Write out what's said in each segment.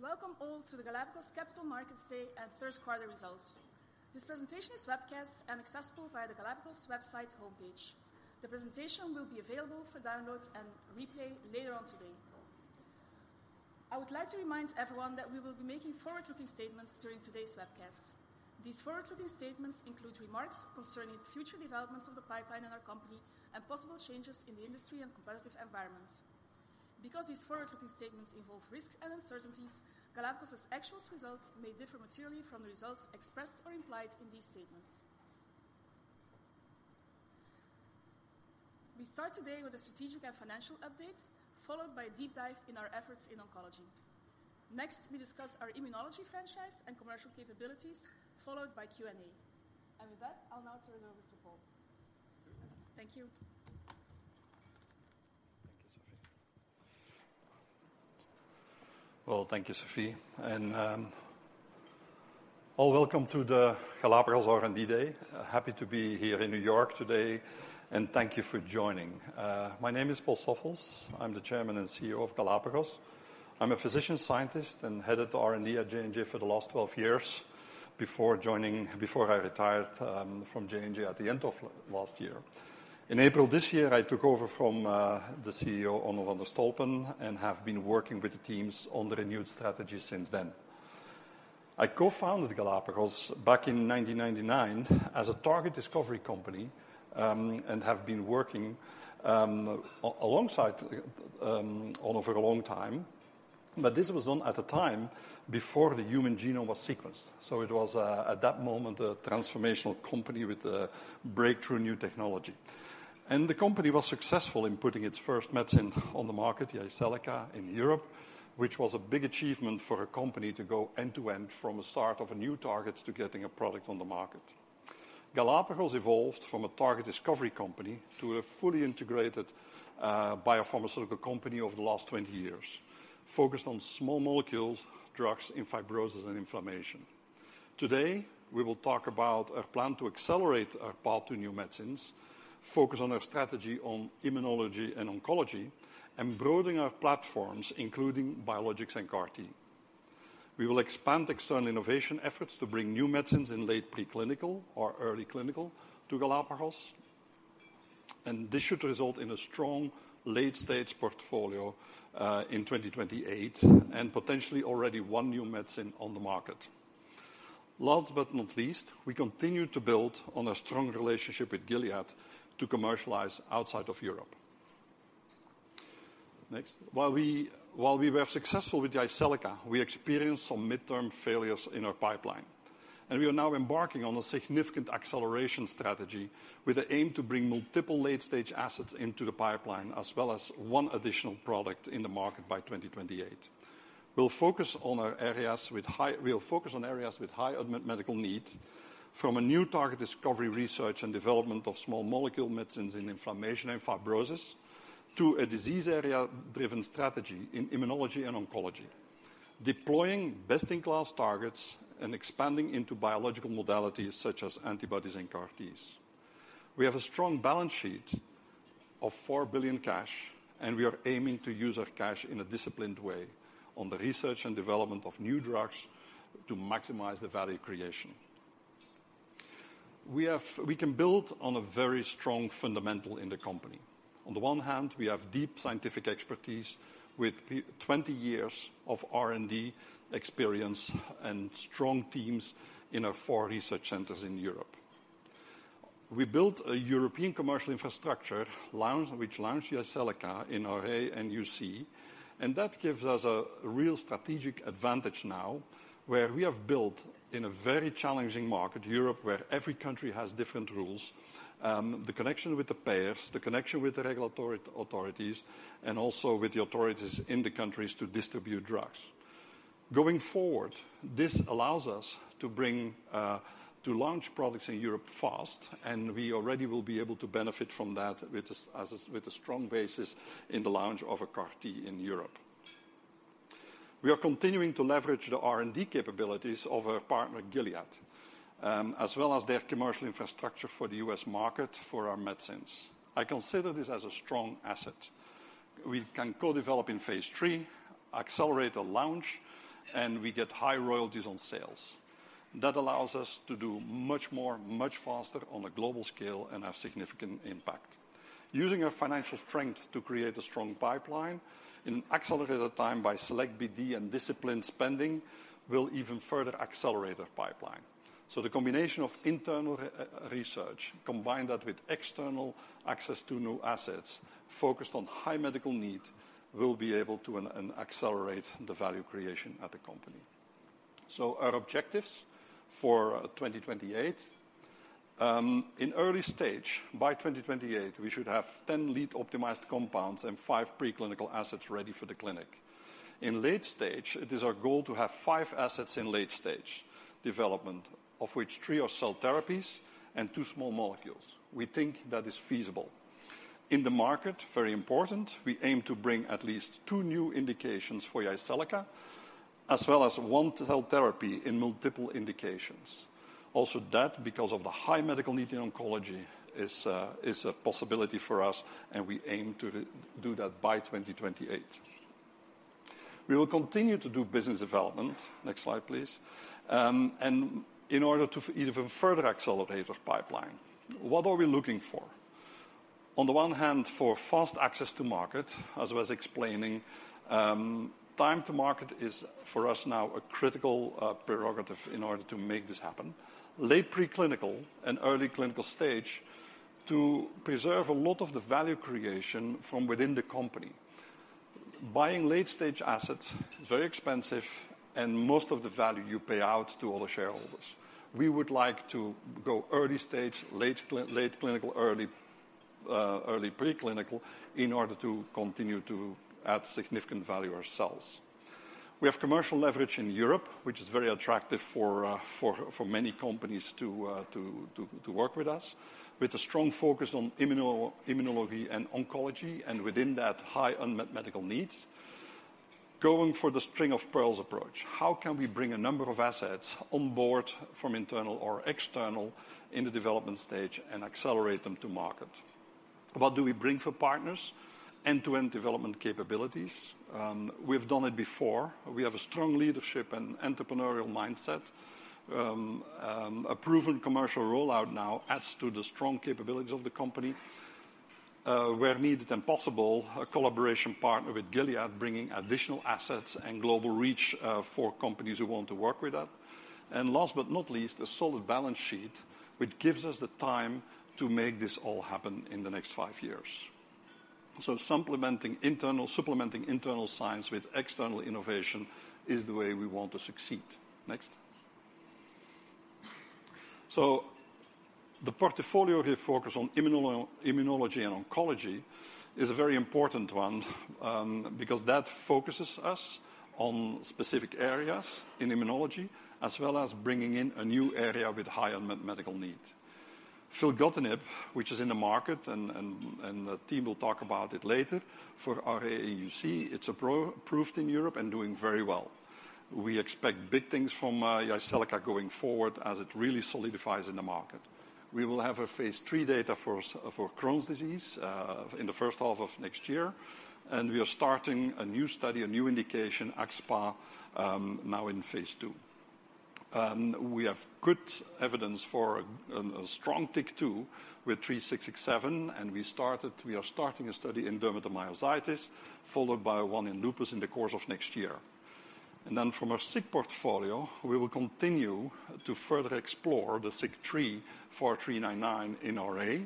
Welcome all to the Galapagos Capital Markets Day and third quarter results. This presentation is webcast and accessible via the Galapagos website homepage. The presentation will be available for download and replay later on today. I would like to remind everyone that we will be making forward-looking statements during today's webcast. These forward-looking statements include remarks concerning future developments of the pipeline in our company and possible changes in the industry and competitive environments. Because these forward-looking statements involve risks and uncertainties, Galapagos's actual results may differ materially from the results expressed or implied in these statements. We start today with a strategic and financial update, followed by a deep dive in our efforts in oncology. Next, we discuss our immunology franchise and commercial capabilities, followed by Q&A. With that, I'll now turn it over to Paul. Thank you. Thank you, Sophie. All welcome to the Galapagos R&D Day. Happy to be here in New York today, and thank you for joining. My name is Paul Stoffels. I'm the Chairman and CEO of Galapagos. I'm a physician scientist and headed the R&D at J&J for the last 12 years before I retired from J&J at the end of last year. In April this year, I took over from the CEO Onno van de Stolpe and have been working with the teams on the renewed strategy since then. I co-founded Galapagos back in 1999 as a target discovery company and have been working alongside Onno for a long time. This was done at the time before the human genome was sequenced. It was at that moment a transformational company with a breakthrough new technology. The company was successful in putting its first medicine on the market, Jyseleca, in Europe, which was a big achievement for a company to go end-to-end from a start of a new target to getting a product on the market. Galapagos evolved from a target discovery company to a fully integrated biopharmaceutical company over the last 20 years, focused on small molecules, drugs in fibrosis and inflammation. Today, we will talk about a plan to accelerate our path to new medicines, focus on our strategy on immunology and oncology, and broadening our platforms, including biologics and CAR T. We will expand external innovation efforts to bring new medicines in late preclinical or early clinical to Galapagos. This should result in a strong late-stage portfolio in 2028 and potentially already one new medicine on the market. Last but not least, we continue to build on a strong relationship with Gilead to commercialize outside of Europe. Next. While we were successful with Jyseleca, we experienced some midterm failures in our pipeline, and we are now embarking on a significant acceleration strategy with the aim to bring multiple late-stage assets into the pipeline, as well as one additional product in the market by 2028. We'll focus on areas with high unmet medical need from a new target discovery research and development of small molecule medicines in inflammation and fibrosis to a disease area-driven strategy in immunology and oncology, deploying best-in-class targets and expanding into biological modalities such as antibodies and CAR Ts. We have a strong balance sheet of 4 billion cash, and we are aiming to use our cash in a disciplined way on the research and development of new drugs to maximize the value creation. We can build on a very strong fundamental in the company. On the one hand, we have deep scientific expertise with 20 years of R&D experience and strong teams in our 4 research centers in Europe. We built a European commercial infrastructure along, which launched Jyseleca in RA and UC, and that gives us a real strategic advantage now that we have built, in a very challenging market, Europe, where every country has different rules, the connection with the payers, the connection with the regulatory authorities, and also with the authorities in the countries to distribute drugs. Going forward, this allows us to bring to launch products in Europe fast, and we already will be able to benefit from that with a strong basis in the launch of a CAR T in Europe. We are continuing to leverage the R&D capabilities of our partner, Gilead, as well as their commercial infrastructure for the U.S. market for our medicines. I consider this as a strong asset. We can co-develop in phase III, accelerate a launch, and we get high royalties on sales. That allows us to do much more, much faster on a global scale and have significant impact. Using our financial strength to create a strong pipeline in an accelerated time by select BD and disciplined spending will even further accelerate the pipeline. The combination of internal research, combine that with external access to new assets focused on high medical need, we'll be able to accelerate the value creation at the company. Our objectives for 2028, in early stage, by 2028, we should have 10 lead optimized compounds and 5 preclinical assets ready for the clinic. In late stage, it is our goal to have 5 assets in late stage development, of which 3 are cell therapies and 2 small molecules. We think that is feasible. In the market, very important, we aim to bring at least 2 new indications for Jyseleca, as well as 1 cell therapy in multiple indications. Also that because of the high medical need in oncology is a possibility for us, and we aim to do that by 2028. We will continue to do business development. Next slide, please. In order to even further accelerate our pipeline, what are we looking for? On the one hand, for fast access to market, as I was explaining, time to market is for us now a critical prerogative in order to make this happen. Late preclinical and early clinical stage to preserve a lot of the value creation from within the company. Buying late-stage assets, very expensive, and most of the value you pay out to all the shareholders. We would like to go early stage, late clinical, early preclinical in order to continue to add significant value ourselves. We have commercial leverage in Europe, which is very attractive for many companies to work with us, with a strong focus on immunology and oncology, and within that, high unmet medical needs. Going for the string-of-pearls approach, how can we bring a number of assets on board from internal or external in the development stage and accelerate them to market? What do we bring for partners? End-to-end development capabilities. We've done it before. We have a strong leadership and entrepreneurial mindset. A proven commercial rollout now adds to the strong capabilities of the company. Where needed and possible, a collaboration partner with Gilead, bringing additional assets and global reach, for companies who want to work with that. Last but not least, a solid balance sheet, which gives us the time to make this all happen in the next five years. Supplementing internal science with external innovation is the way we want to succeed. Next. The portfolio here focused on immunology and oncology is a very important one, because that focuses us on specific areas in immunology, as well as bringing in a new area with high unmet medical need. Filgotinib, which is in the market and the team will talk about it later for RA and UC. It's approved in Europe and doing very well. We expect big things from Jyseleca going forward as it really solidifies in the market. We will have phase III data for Crohn's disease in the first half of next year, and we are starting a new study, a new indication, axSpA, now in phase 2II. We have good evidence for a strong TYK2 with GLPG3667, and we started... We are starting a study in dermatomyositis, followed by one in lupus in the course of next year. Then from our SIK portfolio, we will continue to further explore the SIK3 4399 in RA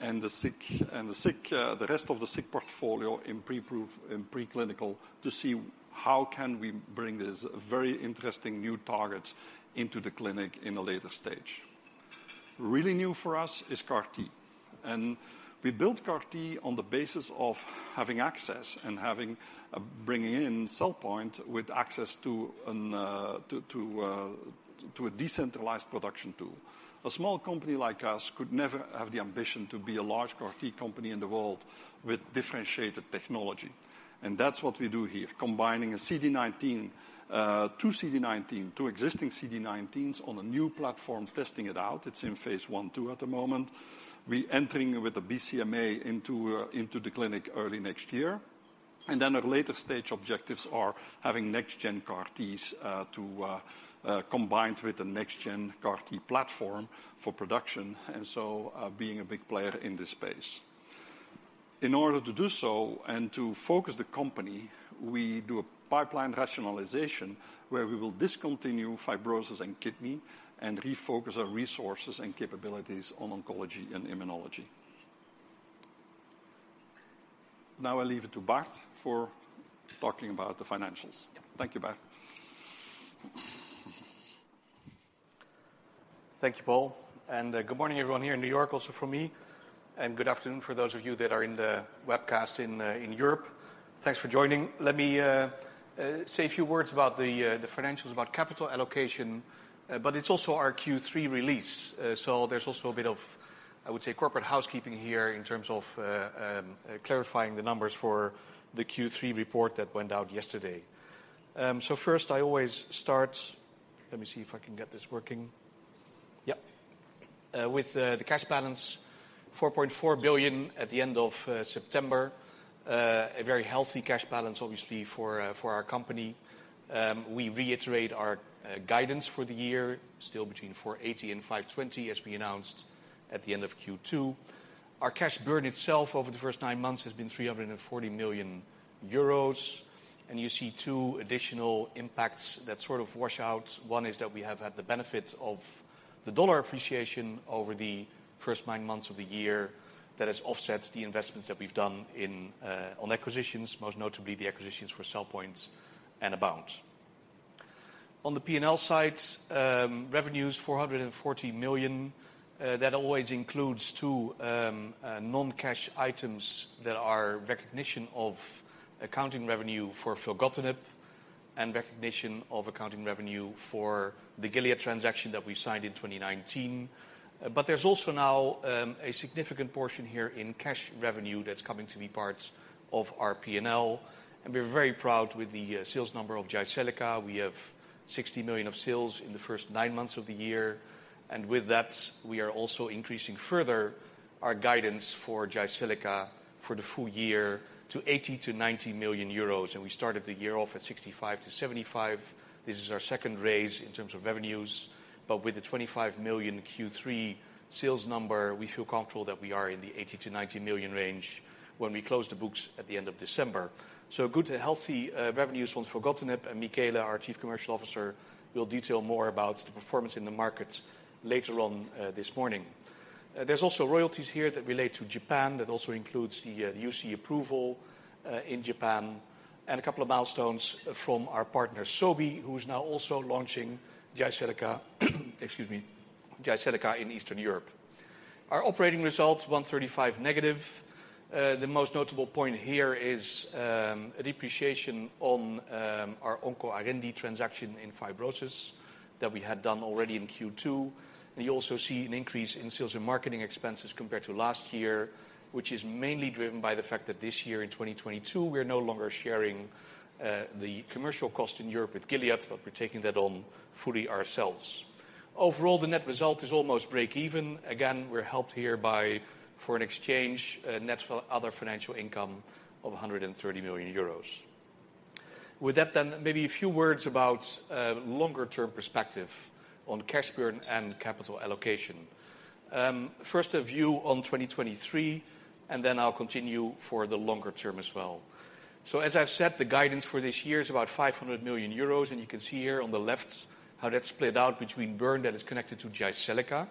and the rest of the SIK portfolio in proof-of-concept in preclinical to see how can we bring these very interesting new targets into the clinic in a later stage. Really new for us is CAR-T. We built CAR-T on the basis of having access and bringing in CellPoint with access to a decentralized production tool. A small company like us could never have the ambition to be a large CAR-T company in the world with differentiated technology. That's what we do here, combining a CD19, two existing CD19s on a new platform, testing it out. It's in phase 1/2 at the moment. We're entering with the BCMA into the clinic early next year. Our later stage objectives are having next-gen CAR-Ts to combined with the next-gen CAR-T platform for production, being a big player in this space. In order to do so and to focus the company, we do a pipeline rationalization where we will discontinue fibrosis and kidney and refocus our resources and capabilities on oncology and immunology. Now I leave it to Bart for talking about the financials. Thank you, Bart. Thank you, Paul. Good morning, everyone here in New York, also from me, and good afternoon for those of you that are in the webcast in Europe. Thanks for joining. Let me say a few words about the financials, about capital allocation, but it's also our Q3 release. So there's also a bit of, I would say, corporate housekeeping here in terms of clarifying the numbers for the Q3 report that went out yesterday. So first I always start, let me see if I can get this working. Yep. With the cash balance, 4.4 billion at the end of September. A very healthy cash balance, obviously, for our company. We reiterate our guidance for the year, still between 480 and 520, as we announced at the end of Q2. Our cash burn itself over the first nine months has been 340 million euros. You see two additional impacts that sort of wash out. One is that we have had the benefit of the US dollar appreciation over the first nine months of the year that has offset the investments that we've done in on acquisitions, most notably the acquisitions for CellPoint and Abound. On the P&L side, revenues 440 million. That always includes two non-cash items that are recognition of accounting revenue for Filgotinib and recognition of accounting revenue for the Gilead transaction that we signed in 2019. There's also now a significant portion here in cash revenue that's coming to be parts of our P&L. We're very proud with the sales number of Jyseleca. We have 60 million of sales in the first nine months of the year. With that, we are also increasing further our guidance for Jyseleca for the full year to 80-90 million euros, and we started the year off at 65-75 million. This is our second raise in terms of revenues. With the 25 million Q3 sales number, we feel comfortable that we are in the 80-90 million range when we close the books at the end of December. Good healthy revenues from Filgotinib, and Michele, our Chief Commercial Officer, will detail more about the performance in the markets later on this morning. There's also royalties here that relate to Japan, that also includes the UC approval in Japan and a couple of milestones from our partner, Sobi, who is now also launching Jyseleca in Eastern Europe. Our operating results, -135. The most notable point here is a depreciation on our OncoArendi transaction in fibrosis that we had done already in Q2. You also see an increase in sales and marketing expenses compared to last year, which is mainly driven by the fact that this year in 2022, we are no longer sharing the commercial cost in Europe with Gilead, but we're taking that on fully ourselves. Overall, the net result is almost break even. We're helped here by foreign exchange, net other financial income of 130 million euros. With that then, maybe a few words about longer term perspective on cash burn and capital allocation. First a view on 2023, and then I'll continue for the longer term as well. As I've said, the guidance for this year is about 500 million euros, and you can see here on the left how that's split out between burn that is connected to Jyseleca.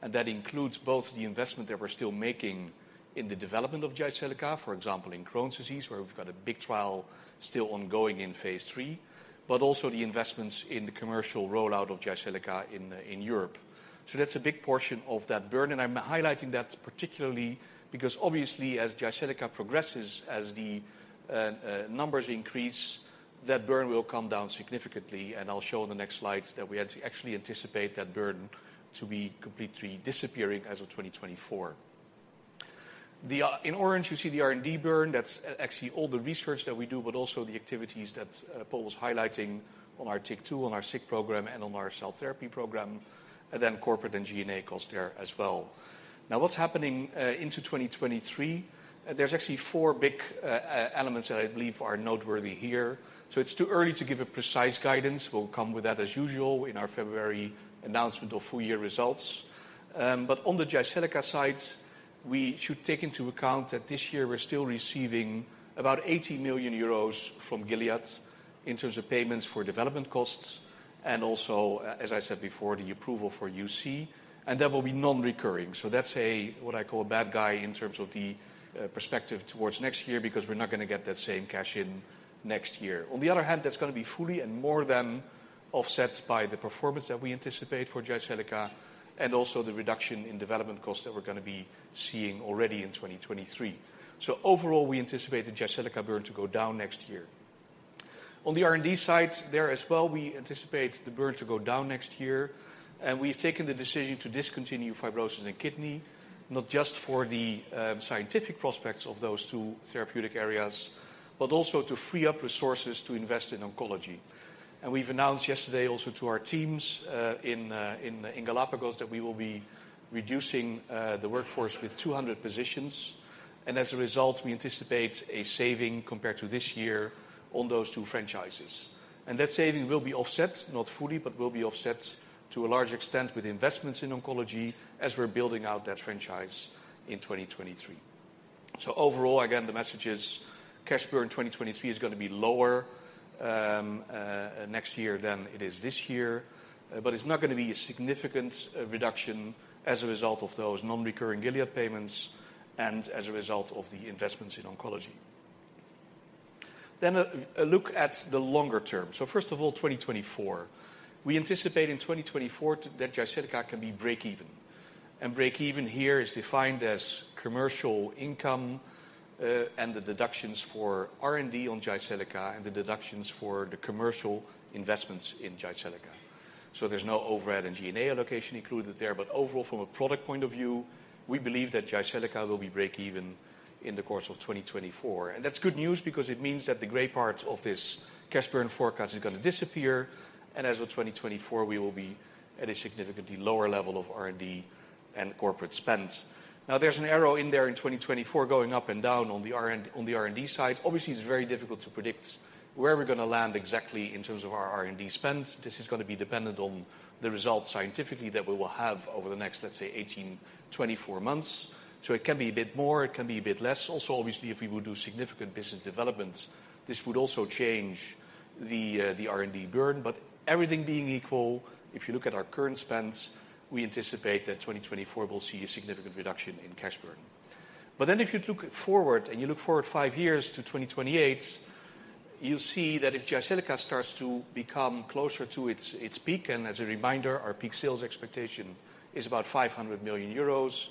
That includes both the investment that we're still making in the development of Jyseleca, for example, in Crohn's disease, where we've got a big trial still ongoing in phase III, but also the investments in the commercial rollout of Jyseleca in Europe. That's a big portion of that burn, and I'm highlighting that particularly because obviously as Jyseleca progresses, as the numbers increase, that burn will come down significantly. I'll show in the next slides that we actually anticipate that burn to be completely disappearing as of 2024. The, in orange, you see the R&D burn. That's actually all the research that we do, but also the activities that Paul was highlighting on our TYK2, on our SIK program, and on our cell therapy program, and then corporate and G&A cost there as well. Now, what's happening, into 2023, there's actually four big elements that I believe are noteworthy here. It's too early to give a precise guidance. We'll come with that as usual in our February announcement of full year results. On the Jyseleca side, we should take into account that this year we're still receiving about 80 million euros from Gilead in terms of payments for development costs and also, as I said before, the approval for UC, and that will be non-recurring. That's a, what I call a bad guy in terms of the perspective towards next year, because we're not gonna get that same cash in next year. On the other hand, that's gonna be fully and more than offset by the performance that we anticipate for Jyseleca and also the reduction in development costs that we're gonna be seeing already in 2023. Overall, we anticipate the Jyseleca burn to go down next year. On the R&D side, there as well, we anticipate the burn to go down next year, and we've taken the decision to discontinue fibrosis and kidney, not just for the scientific prospects of those two therapeutic areas, but also to free up resources to invest in oncology. We've announced yesterday also to our teams in Galapagos that we will be reducing the workforce with 200 positions. As a result, we anticipate a saving compared to this year on those two franchises. That saving will be offset, not fully, but will be offset to a large extent with investments in oncology as we're building out that franchise in 2023. Overall, again, the message is cash burn in 2023 is gonna be lower next year than it is this year. It's not gonna be a significant reduction as a result of those non-recurring Gilead payments and as a result of the investments in oncology. A look at the longer term. First of all, 2024. We anticipate in 2024 that Jyseleca can be break even. Break even here is defined as commercial income, and the deductions for R&D on Jyseleca and the deductions for the commercial investments in Jyseleca. There's no overhead and G&A allocation included there. Overall, from a product point of view, we believe that Jyseleca will be break even in the course of 2024. That's good news because it means that the gray part of this cash burn forecast is gonna disappear. As of 2024, we will be at a significantly lower level of R&D and corporate spend. Now, there's an arrow in there in 2024 going up and down on the R&D side. Obviously, it's very difficult to predict where we're gonna land exactly in terms of our R&D spend. This is gonna be dependent on the results scientifically that we will have over the next, let's say, 18, 24 months. It can be a bit more, it can be a bit less. Also, obviously, if we would do significant business developments, this would also change the R&D burn. But everything being equal, if you look at our current spends, we anticipate that 2024 will see a significant reduction in cash burn. If you look forward 5 years to 2028, you'll see that if Jyseleca starts to become closer to its peak, and as a reminder, our peak sales expectation is about 500 million euros,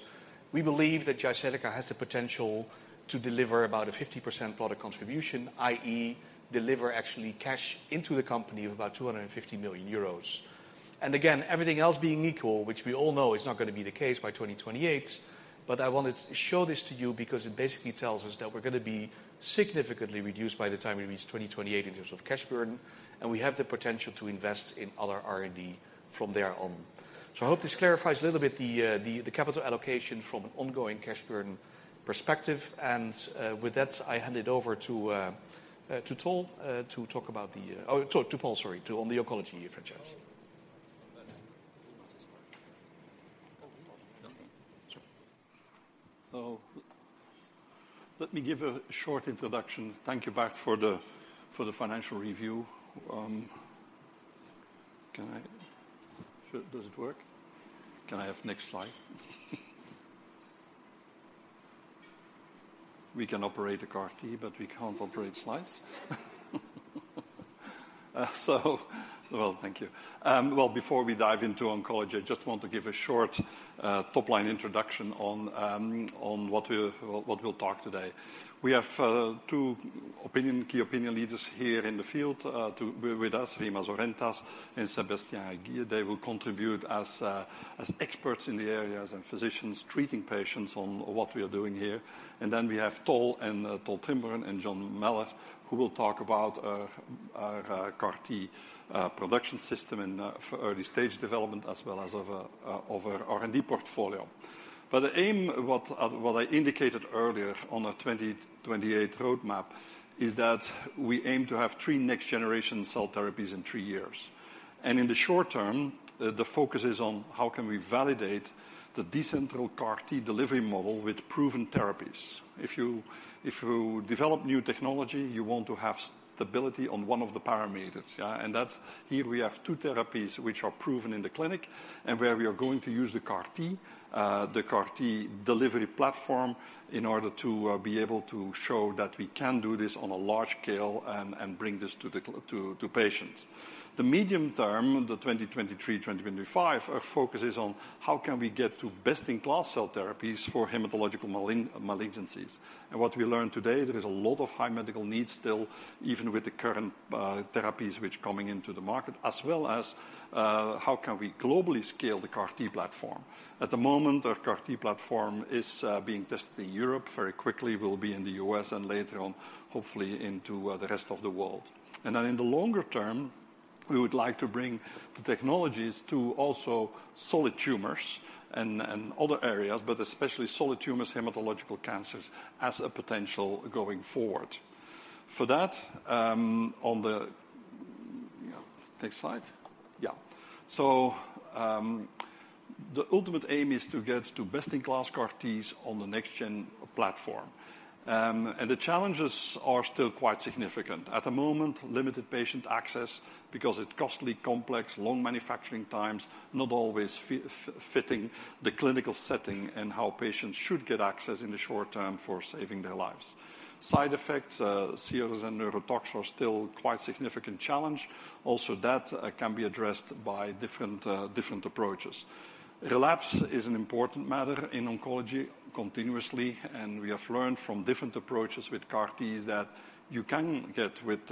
we believe that Jyseleca has the potential to deliver about a 50% product contribution, i.e. deliver actually cash into the company of about 250 million euros. Again, everything else being equal, which we all know is not gonna be the case by 2028, but I wanted to show this to you because it basically tells us that we're gonna be significantly reduced by the time we reach 2028 in terms of cash burn, and we have the potential to invest in other R&D from there on. I hope this clarifies a little bit the capital allocation from an ongoing cash burn perspective. With that, I hand it over to Paul on the oncology franchise. Let me give a short introduction. Thank you, Bart, for the financial review. Can I have next slide? We can operate a CAR T, but we can't operate slides. Well, thank you. Well, before we dive into oncology, I just want to give a short top-line introduction on what we'll talk today. We have two key opinion leaders here in the field with us, Rimas Orentas and Sébastien Anguille. They will contribute as experts in the areas and physicians treating patients on what we are doing here. Then we have Tolleiv Trimborn and John Mellors, who will talk about our CAR T production system and for early stage development as well as of our R&D portfolio. The aim, what I indicated earlier on our 2028 roadmap, is that we aim to have three next-generation cell therapies in three years. In the short term, the focus is on how can we validate the decentral CAR T delivery model with proven therapies. If you develop new technology, you want to have stability on one of the parameters, yeah. That's... Here we have two therapies which are proven in the clinic and where we are going to use the CAR T delivery platform in order to be able to show that we can do this on a large scale and bring this to patients. The medium term, the 2023-2025, our focus is on how can we get to best-in-class cell therapies for hematological malignancies. What we learned today, there is a lot of unmet medical needs still, even with the current therapies which are coming into the market, as well as how can we globally scale the CAR T platform. At the moment, our CAR T platform is being tested in Europe. Very quickly, we'll be in the US, and later on, hopefully into the rest of the world. Then in the longer term, we would like to bring the technologies to also solid tumors and other areas, but especially solid tumors, hematological cancers as a potential going forward. For that, Yeah, next slide. Yeah. The ultimate aim is to get to best-in-class CAR T on the next gen platform. The challenges are still quite significant. At the moment, limited patient access because it's costly, complex, long manufacturing times, not always fitting the clinical setting and how patients should get access in the short term for saving their lives. Side effects, CRS and neurotoxicity are still quite significant challenge. Also, that can be addressed by different approaches. Relapse is an important matter in oncology continuously, and we have learned from different approaches with CAR Ts that you can get with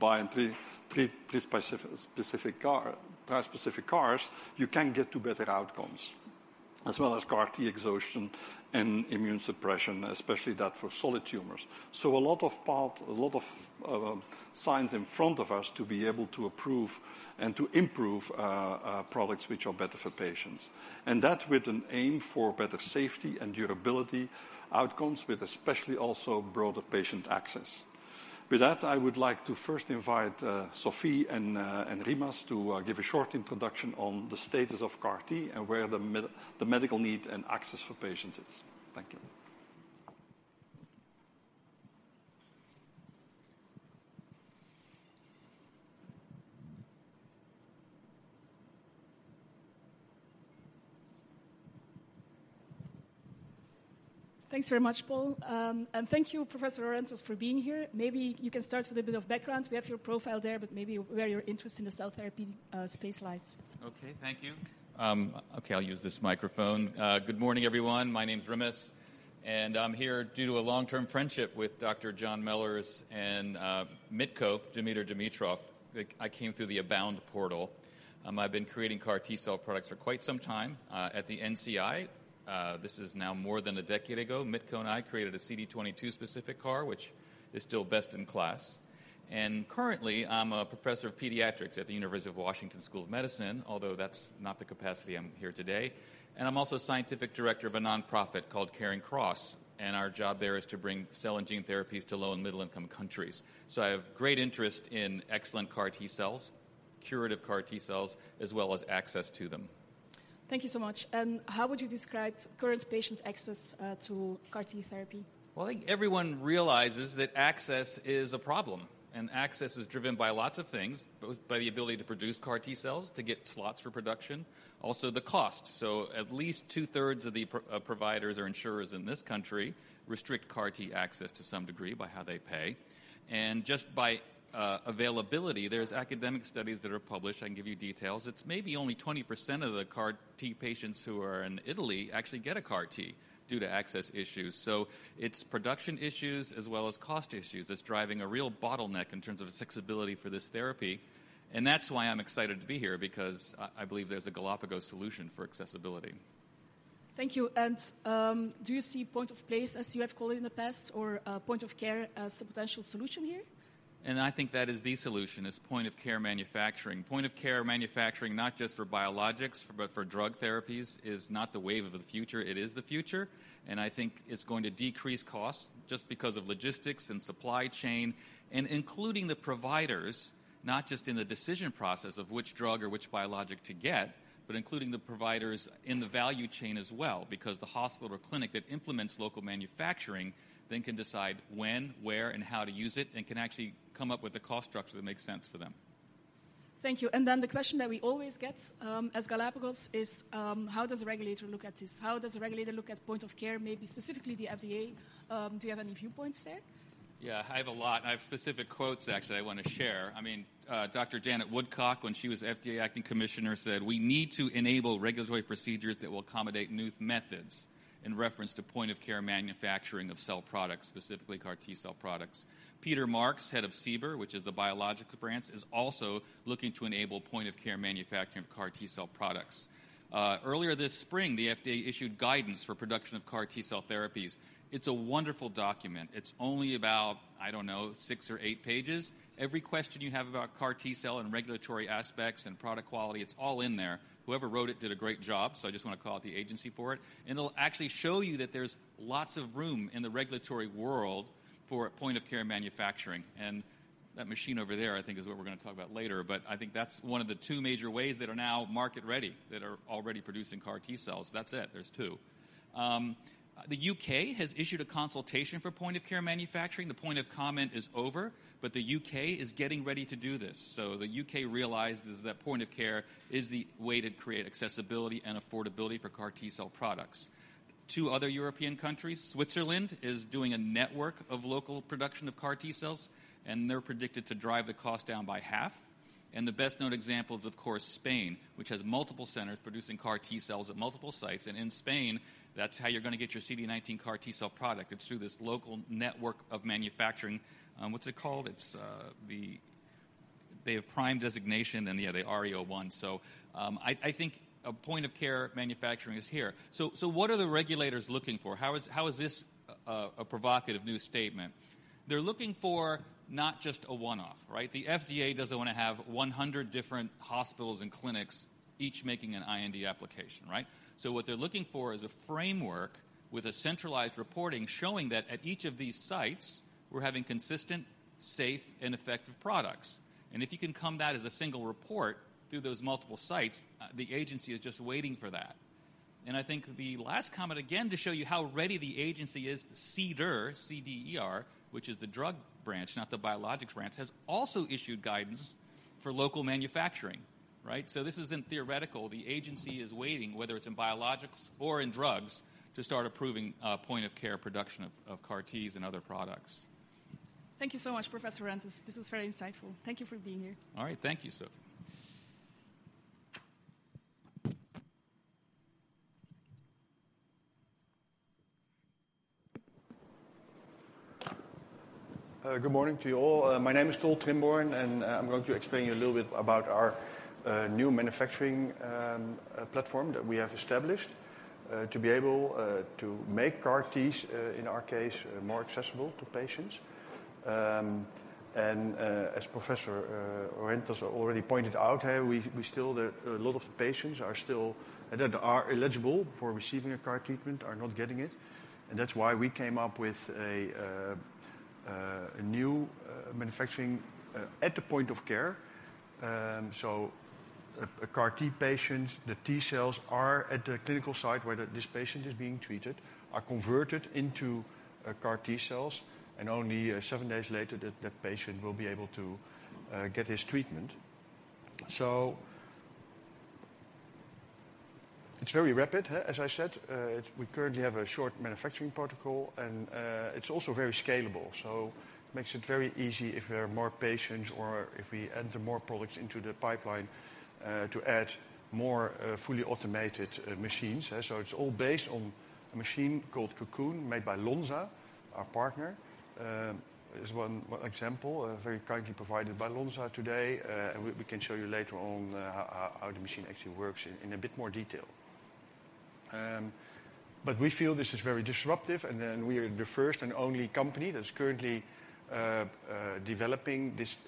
by introducing bispecific, trispecific CARs, you can get to better outcomes, as well as CAR T exhaustion and immune suppression, especially that for solid tumors. A lot of paths, a lot of signs in front of us to be able to improve and to improve products which are better for patients. That with an aim for better safety and durability outcomes with especially also broader patient access. With that, I would like to first invite Sophie and Rimas to give a short introduction on the status of CAR T and where the medical need and access for patients is. Thank you. Thanks very much, Paul. Thank you, Professor Orentas, for being here. Maybe you can start with a bit of background. We have your profile there, but maybe where your interest in the cell therapy space lies. Okay. Thank you. Okay, I'll use this microphone. Good morning, everyone. My name's Rimas, and I'm here due to a long-term friendship with Dr. John Mellors and Mitko Dimitrov. I came through the Abound portal. I've been creating CAR T-cell products for quite some time at the NCI. This is now more than a decade ago. Mitko and I created a CD22 specific CAR, which is still best in class. Currently, I'm a professor of pediatrics at the University of Washington School of Medicine, although that's not the capacity I'm here today. I'm also scientific director of a nonprofit called CaringCross, and our job there is to bring cell and gene therapies to low and middle income countries. I have great interest in excellent CAR T-cells, curative CAR T-cells, as well as access to them. Thank you so much. How would you describe current patient access to CAR T therapy? Well, I think everyone realizes that access is a problem, and access is driven by lots of things, both by the ability to produce CAR T cells, to get slots for production, also the cost. At least two-thirds of the providers or insurers in this country restrict CAR T access to some degree by how they pay. Just by availability, there's academic studies that are published. I can give you details. It's maybe only 20% of the CAR T patients who are in Italy actually get a CAR T due to access issues. It's production issues as well as cost issues that's driving a real bottleneck in terms of accessibility for this therapy, and that's why I'm excited to be here because I believe there's a Galapagos solution for accessibility. Thank you. Do you see point of place, as you have called it in the past, or point of care as a potential solution here? I think that is the solution, point of care manufacturing. Point of care manufacturing, not just for biologics, but for drug therapies, is not the wave of the future, it is the future. I think it's going to decrease costs just because of logistics and supply chain and including the providers, not just in the decision process of which drug or which biologic to get, but including the providers in the value chain as well, because the hospital or clinic that implements local manufacturing then can decide when, where, and how to use it, and can actually come up with a cost structure that makes sense for them. Thank you. The question that we always get, as Galapagos is, how does the regulator look at this? How does the regulator look at point of care, maybe specifically the FDA? Do you have any viewpoints there? I have a lot, and I have specific quotes, actually, I wanna share. I mean, Dr. Janet Woodcock, when she was FDA acting commissioner, said, "We need to enable regulatory procedures that will accommodate new methods," in reference to point of care manufacturing of cell products, specifically CAR T-cell products. Peter Marks, head of CBER, which is the biologics branch, is also looking to enable point of care manufacturing of CAR T-cell products. Earlier this spring, the FDA issued guidance for production of CAR T-cell therapies. It's a wonderful document. It's only about, I don't know, six or eight pages. Every question you have about CAR T-cell and regulatory aspects and product quality, it's all in there. Whoever wrote it did a great job, so I just wanna call out the agency for it. It'll actually show you that there's lots of room in the regulatory world for point of care manufacturing. That machine over there, I think, is what we're gonna talk about later. I think that's one of the two major ways that are now market ready, that are already producing CAR T-cells. That's it. There's two. The U.K. has issued a consultation for point of care manufacturing. The comment period is over, but the U.K. is getting ready to do this. The U.K. realizes that point of care is the way to create accessibility and affordability for CAR T-cell products. Two other European countries, Switzerland is doing a network of local production of CAR T-cells, and they're predicted to drive the cost down by half. The best-known example is, of course, Spain, which has multiple centers producing CAR T-cells at multiple sites. In Spain, that's how you're gonna get your CD19 CAR T-cell product. It's through this local network of manufacturing. What's it called? They have prime designation, and yeah, the ARI-0001. So I think a point of care manufacturing is here. So what are the regulators looking for? How is this a provocative new statement? They're looking for not just a one-off, right? The FDA doesn't wanna have 100 different hospitals and clinics each making an IND application, right? So what they're looking for is a framework with a centralized reporting showing that at each of these sites, we're having consistent, safe, and effective products. If you can convey that as a single report through those multiple sites, the agency is just waiting for that. I think the last comment, again, to show you how ready the agency is, CDER, C-D-E-R, which is the drug branch, not the biologics branch, has also issued guidance for local manufacturing, right? This isn't theoretical. The agency is waiting, whether it's in biologics or in drugs, to start approving point of care production of CAR Ts and other products. Thank you so much, Rimas Orentas. This was very insightful. Thank you for being here. All right. Thank you, Sofie. Good morning to you all. My name is Tolleiv Trimborn, and I'm going to explain to you a little bit about our new manufacturing platform that we have established to be able to make CAR Ts, in our case, more accessible to patients. As Professor Orentas already pointed out, a lot of the patients are still eligible for receiving a CAR treatment are not getting it, and that's why we came up with a new manufacturing at the point of care. A CAR T patient, the T-cells are at the clinical site where this patient is being treated, are converted into CAR T-cells, and only seven days later that patient will be able to get his treatment. It's very rapid, as I said. We currently have a short manufacturing protocol, and it's also very scalable, makes it very easy if there are more patients or if we enter more products into the pipeline, to add more fully automated machines? It's all based on a machine called Cocoon made by Lonza, our partner. This is one example very kindly provided by Lonza today. And we can show you later on how the machine actually works in a bit more detail. But we feel this is very disruptive, and then we are the first and only company that's currently developing this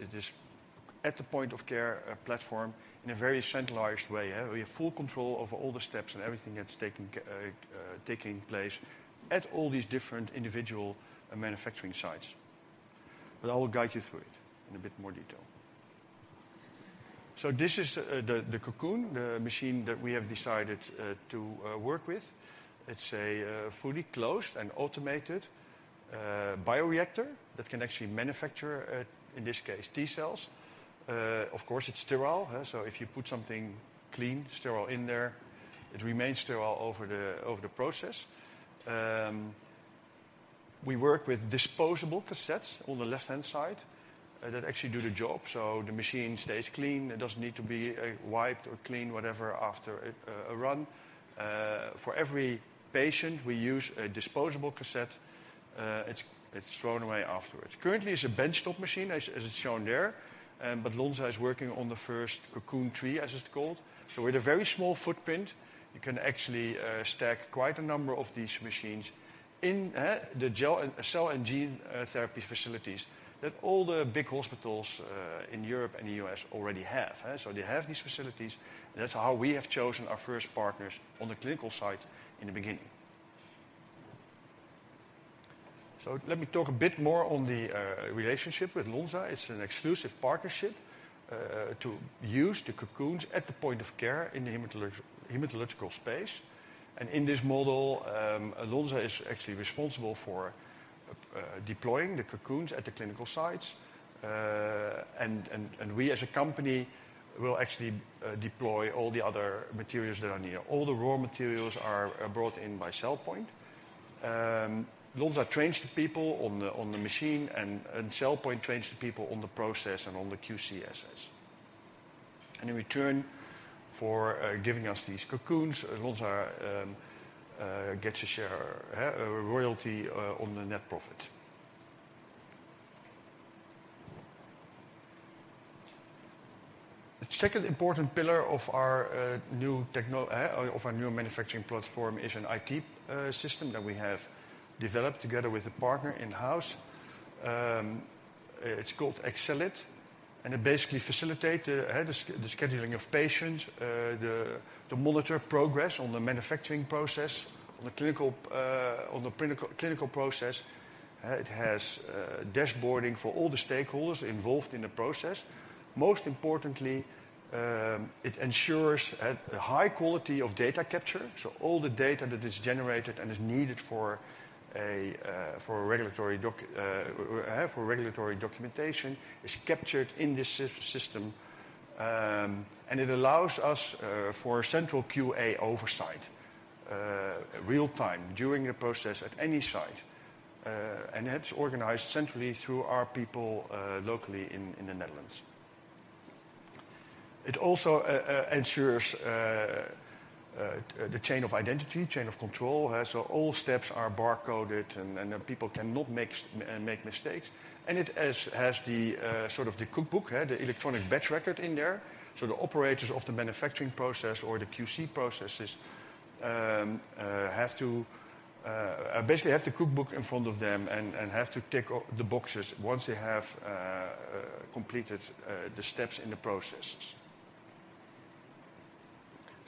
at the point of care platform in a very centralized way. We have full control over all the steps and everything that's taking place at all these different individual manufacturing sites. I will guide you through it in a bit more detail. This is the Cocoon, the machine that we have decided to work with. It's a fully closed and automated bioreactor that can actually manufacture, in this case, T cells. Of course, it's sterile. So if you put something clean, sterile in there, it remains sterile over the process. We work with disposable cassettes on the left-hand side that actually do the job, so the machine stays clean. It doesn't need to be wiped or cleaned, whatever, after a run. For every patient, we use a disposable cassette. It's thrown away afterwards. Currently, it's a benchtop machine as it's shown there, but Lonza is working on the first Cocoon 3, as it's called. With a very small footprint, you can actually stack quite a number of these machines in the cell and gene therapy facilities that all the big hospitals in Europe and the U.S. already have. They have these facilities, and that's how we have chosen our first partners on the clinical side in the beginning. Let me talk a bit more on the relationship with Lonza. It's an exclusive partnership to use the Cocoons at the point of care in the hematological space. In this model, Lonza is actually responsible for deploying the Cocoons at the clinical sites. We as a company will actually deploy all the other materials that are needed. All the raw materials are brought in by CellPoint. Lonza trains the people on the machine, and CellPoint trains the people on the process and on the QCSS. In return for giving us these Cocoons, Lonza gets a share, a royalty on the net profit. The second important pillar of our new manufacturing platform is an IT system that we have developed together with a partner in-house. It's called Xficellit, and it basically facilitates the scheduling of patients to monitor progress on the manufacturing process, on the clinical process. It has dashboarding for all the stakeholders involved in the process. Most importantly, it ensures a high quality of data capture, so all the data that is generated and is needed for regulatory documentation is captured in this system. It allows us for central QA oversight real-time during the process at any site. That's organized centrally through our people locally in the Netherlands. It also ensures the chain of identity, chain of control, so all steps are bar-coded, and people cannot make mistakes. It has the sort of the cookbook, the electronic batch record in there. The operators of the manufacturing process or the QC processes have to basically have the cookbook in front of them and have to tick all the boxes once they have completed the steps in the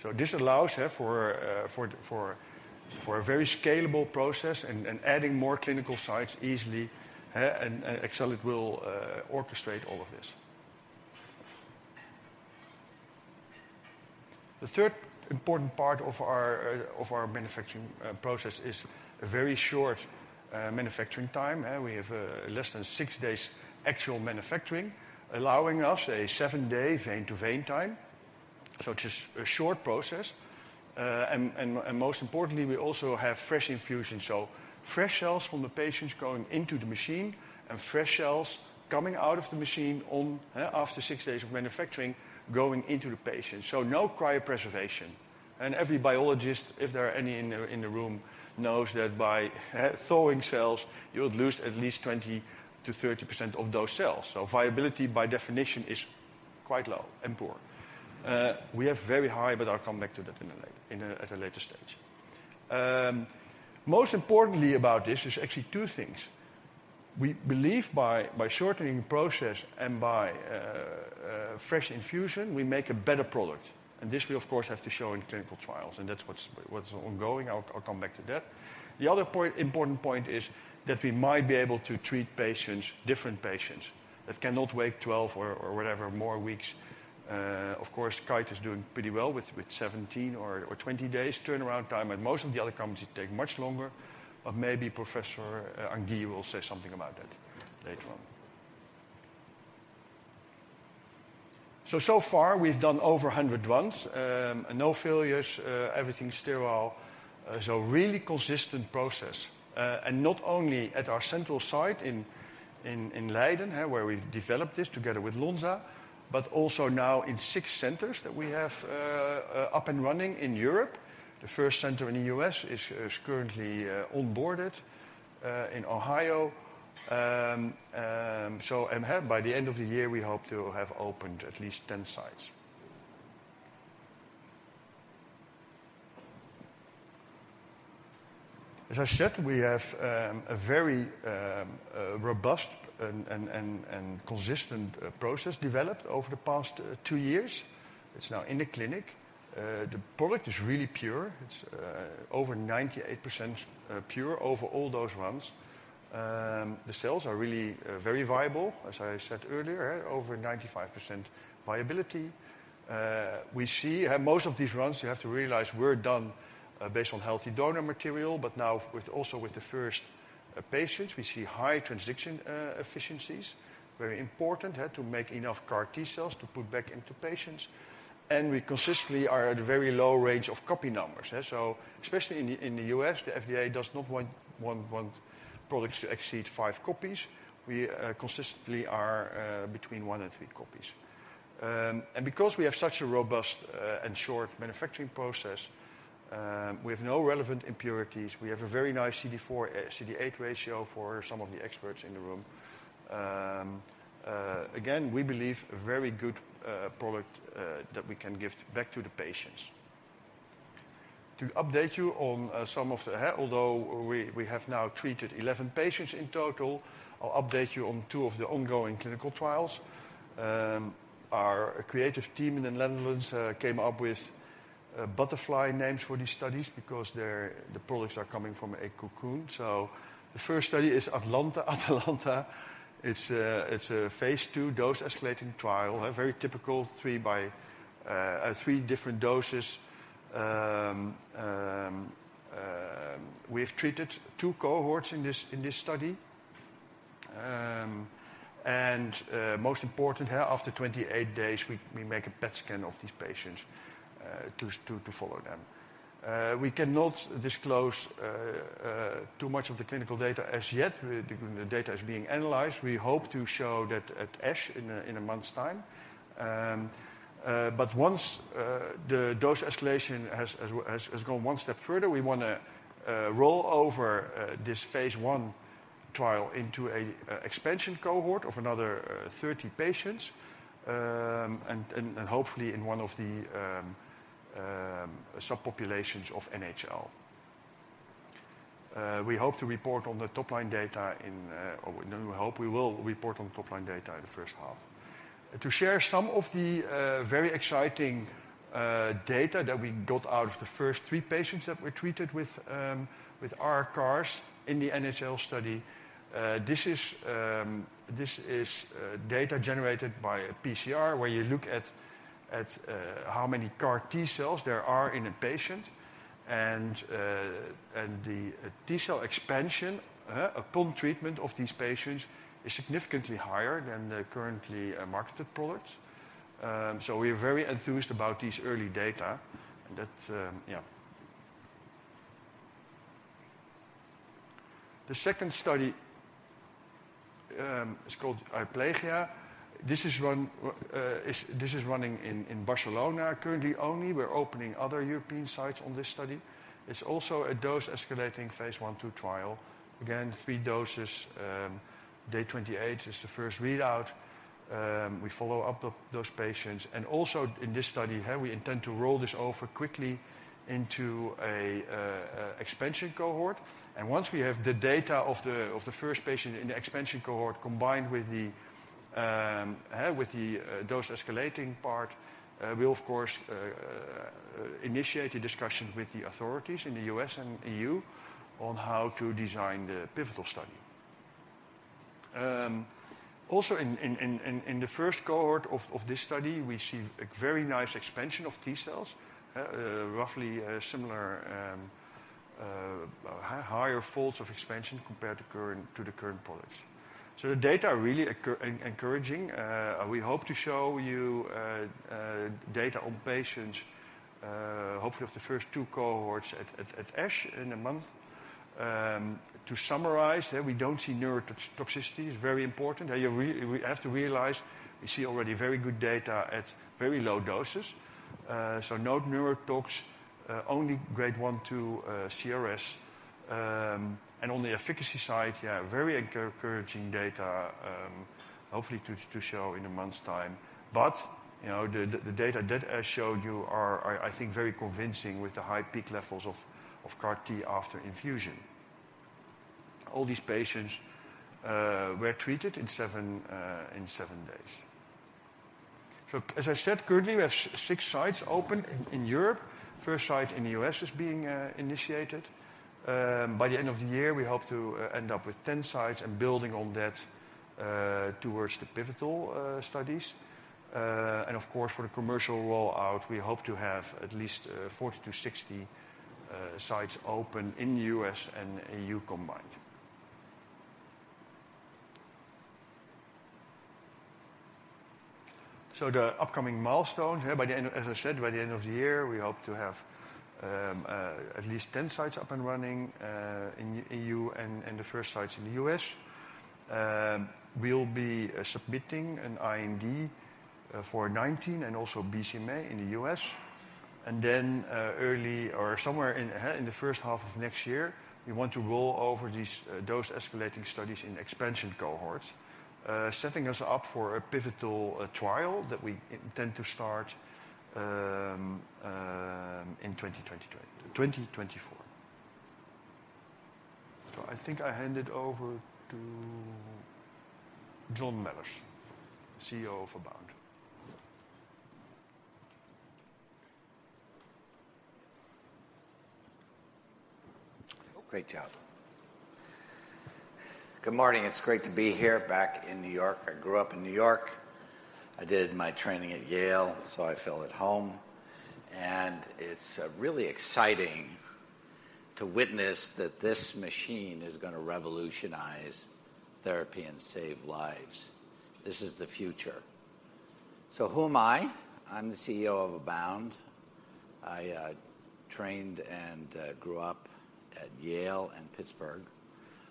processes. This allows for a very scalable process and adding more clinical sites easily, and Xcellit will orchestrate all of this. The third important part of our manufacturing process is a very short manufacturing time. We have less than six days actual manufacturing, allowing us a seven-day vein to vein time, such as a short process. Most importantly, we also have fresh infusion. Fresh cells from the patients going into the machine and fresh cells coming out of the machine after six days of manufacturing, going into the patient. No cryopreservation. Every biologist, if there are any in the room, knows that by thawing cells, you'll lose at least 20%-30% of those cells. Viability by definition is quite low and poor. We have very high, but I'll come back to that at a later stage. Most importantly about this is actually two things. We believe by shortening process and by fresh infusion, we make a better product. This we of course have to show in clinical trials, and that's what's ongoing. I'll come back to that. The other important point is that we might be able to treat patients, different patients that cannot wait 12 or whatever more weeks. Of course, Kite is doing pretty well with 17 or 20 days turnaround time, and most of the other companies take much longer. Maybe Professor Anguille will say something about that later on. So far, we've done over 100 runs. No failures, everything sterile. So really consistent process. And not only at our central site in Leiden, where we've developed this together with Lonza, but also now in 6 centers that we have up and running in Europe. The first center in the U.S. is currently onboarded in Ohio. By the end of the year, we hope to have opened at least 10 sites. As I said, we have a very robust and consistent process developed over the past two years. It's now in the clinic. The product is really pure. It's over 98% pure over all those runs. The cells are really very viable, as I said earlier, over 95% viability. We see most of these runs, you have to realize, were done based on healthy donor material, but now, also with the first patients, we see high transduction efficiencies. Very important to make enough CAR T cells to put back into patients. We consistently are at a very low range of copy numbers, so especially in the US, the FDA does not want products to exceed five copies. We consistently are between one and three copies. Because we have such a robust and short manufacturing process, we have no relevant impurities. We have a very nice CD4, CD8 ratio for some of the experts in the room. Again, we believe a very good product that we can give back to the patients. Although we have now treated 11 patients in total, I'll update you on two of the ongoing clinical trials. Our creative team in the Netherlands came up with butterfly names for these studies because the products are coming from a Cocoon. The first study is ATALANTA-1. It's a phase II dose-escalating trial, a very typical three by three different doses. We have treated two cohorts in this study. Most important, after 28 days, we make a PET scan of these patients to follow them. We cannot disclose too much of the clinical data as yet. The data is being analyzed. We hope to show that at ASH in a month's time. Once the dose escalation has gone one step further, we wanna roll over this phase I trial into a expansion cohort of another 30 patients, and hopefully in one of the subpopulations of NHL. We will report on top-line data in the first half. To share some of the very exciting data that we got out of the first three patients that were treated with our CARs in the NHL study, this is data generated by a PCR, where you look at how many CAR T cells there are in a patient. The T cell expansion upon treatment of these patients is significantly higher than the currently marketed products. We are very enthused about these early data and that. The second study is called EUPLAGIA-1. This is running in Barcelona currently only. We're opening other European sites on this study. It's also a dose-escalating phase 1/2 trial. Again, three doses. Day 28 is the first readout. We follow up those patients. Also in this study, we intend to roll this over quickly into a expansion cohort. Once we have the data of the first patient in the expansion cohort, combined with the dose-escalating part, we'll of course initiate a discussion with the authorities in the U.S. and EU on how to design the pivotal study. Also in the first cohort of this study, we see a very nice expansion of T cells, roughly similar, higher folds of expansion compared to the current products. The data are really encouraging. We hope to show you data on patients, hopefully of the first two cohorts at ASH in a month. To summarize, we don't see neurotoxicity. It's very important. We have to realize we see already very good data at very low doses. So no neurotoxicity, only grade one/two CRS. On the efficacy side, yeah, very encouraging data, hopefully to show in a month's time. You know, the data that I showed you are, I think, very convincing with the high peak levels of CAR T after infusion. All these patients were treated in seven days. As I said, currently we have six sites open in Europe. First site in the U.S. is being initiated. By the end of the year, we hope to end up with 10 sites and building on that, towards the pivotal studies. Of course, for the commercial roll out, we hope to have at least 40-60 sites open in the US and EU combined. As I said, by the end of the year, we hope to have at least 10 sites up and running in EU and the first sites in the US. We'll be submitting an IND for CD19 and also BCMA in the US. Early or somewhere in the first half of next year, we want to roll over these dose-escalating studies in expansion cohorts, setting us up for a pivotal trial that we intend to start in 2023, 2024. I think I hand it over to John Mellors, CEO of Abound. Great job. Good morning. It's great to be here back in New York. I grew up in New York. I did my training at Yale, so I feel at home. It's really exciting to witness that this machine is gonna revolutionize therapy and save lives. This is the future. Who am I? I'm the CEO of Abound Bio. I trained and grew up at Yale and Pittsburgh.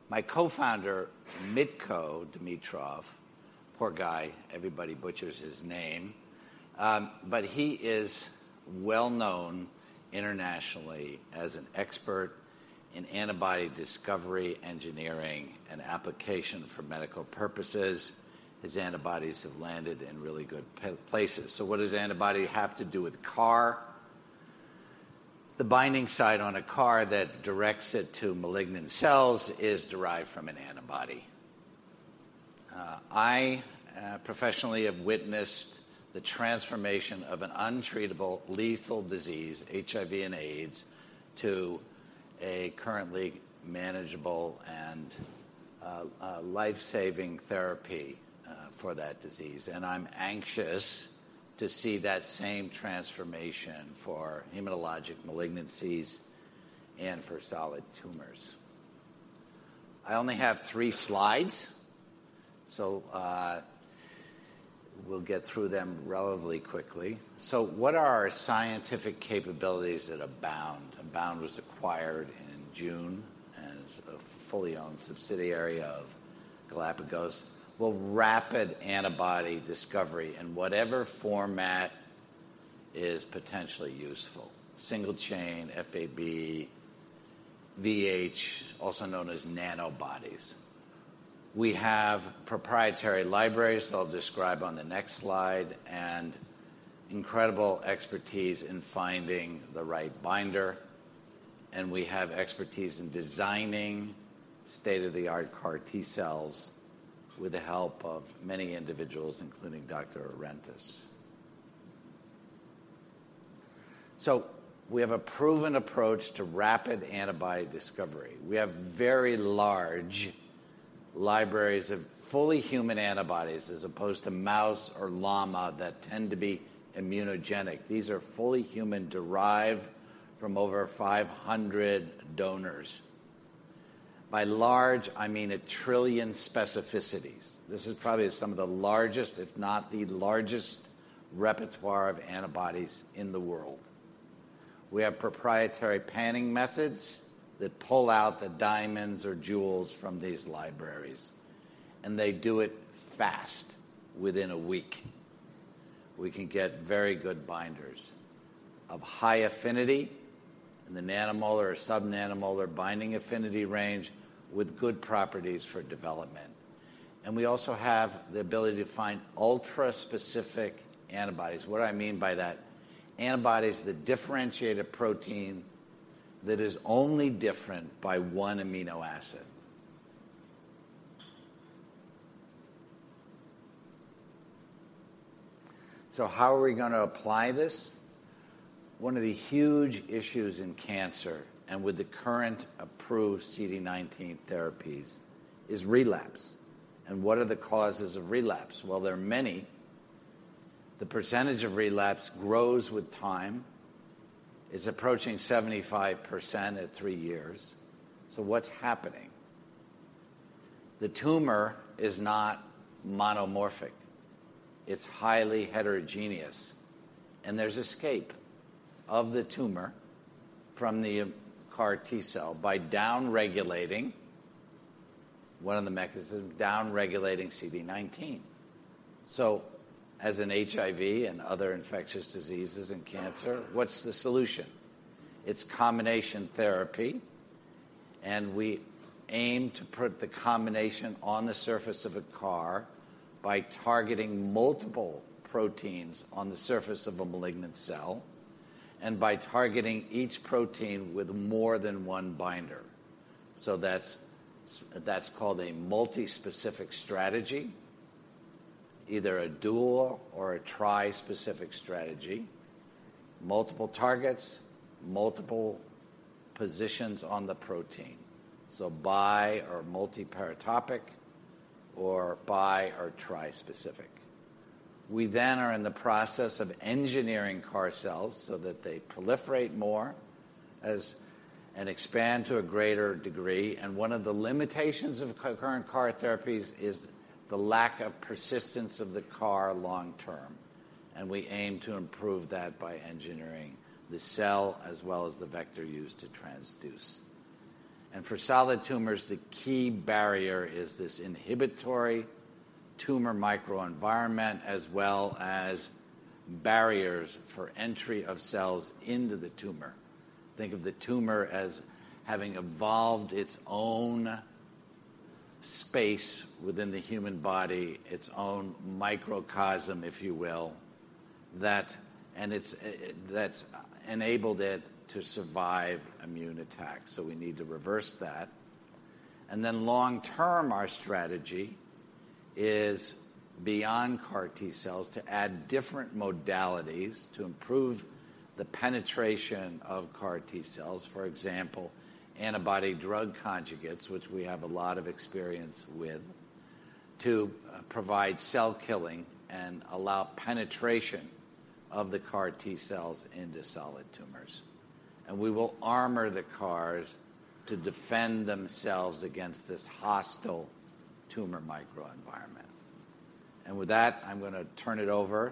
My co-founder, Dimitar Dimitrov, poor guy, everybody butchers his name. But he is well known internationally as an expert in antibody discovery, engineering, and application for medical purposes. His antibodies have landed in really good places. What does antibody have to do with CAR? The binding site on a CAR that directs it to malignant cells is derived from an antibody. I professionally have witnessed the transformation of an untreatable lethal disease, HIV and AIDS, to a currently manageable and a life-saving therapy for that disease. I'm anxious to see that same transformation for hematologic malignancies and for solid tumors. I only have three slides, we'll get through them relatively quickly. What are our scientific capabilities at Abound? Abound was acquired in June and is a fully owned subsidiary of Galapagos. Rapid antibody discovery in whatever format is potentially useful: single-chain, Fab, VH, also known as nanobodies. We have proprietary libraries that I'll describe on the next slide and incredible expertise in finding the right binder, and we have expertise in designing state-of-the-art CAR T cells with the help of many individuals, including Dr. Orentas. We have a proven approach to rapid antibody discovery. We have very large libraries of fully human antibodies, as opposed to mouse or llama that tend to be immunogenic. These are fully human, derived from over 500 donors. By large, I mean 1 trillion specificities. This is probably some of the largest, if not the largest, repertoire of antibodies in the world. We have proprietary panning methods that pull out the diamonds or jewels from these libraries, and they do it fast. Within a week, we can get very good binders of high affinity in the nanomolar or sub-nanomolar binding affinity range with good properties for development. We also have the ability to find ultra-specific antibodies. What do I mean by that? Antibodies that differentiate a protein that is only different by one amino acid. How are we gonna apply this? One of the huge issues in cancer and with the current approved CD19 therapies is relapse. What are the causes of relapse? Well, there are many. The percentage of relapse grows with time. It's approaching 75% at three years. What's happening? The tumor is not monomorphic. It's highly heterogeneous, and there's escape of the tumor from the CAR T cell by downregulating one of the mechanisms, downregulating CD19. As in HIV and other infectious diseases and cancer, what's the solution? It's combination therapy, and we aim to put the combination on the surface of a CAR by targeting multiple proteins on the surface of a malignant cell and by targeting each protein with more than one binder. That's called a multi-specific strategy, either a dual or a tri-specific strategy. Multiple targets, multiple positions on the protein, bi or multi-paratopic or bi or tri-specific. We are in the process of engineering CAR cells so that they proliferate more and expand to a greater degree. One of the limitations of current CAR therapies is the lack of persistence of the CAR long term, and we aim to improve that by engineering the cell as well as the vector used to transduce. For solid tumors, the key barrier is this inhibitory tumor microenvironment, as well as barriers for entry of cells into the tumor. Think of the tumor as having evolved its own space within the human body, its own microcosm, if you will, that's enabled it to survive immune attack. We need to reverse that. Long term, our strategy is, beyond CAR T cells, to add different modalities to improve the penetration of CAR T cells, for example, antibody-drug conjugates, which we have a lot of experience with, to provide cell killing and allow penetration of the CAR T cells into solid tumors. We will armor the CARs to defend themselves against this hostile tumor microenvironment. With that, I'm gonna turn it over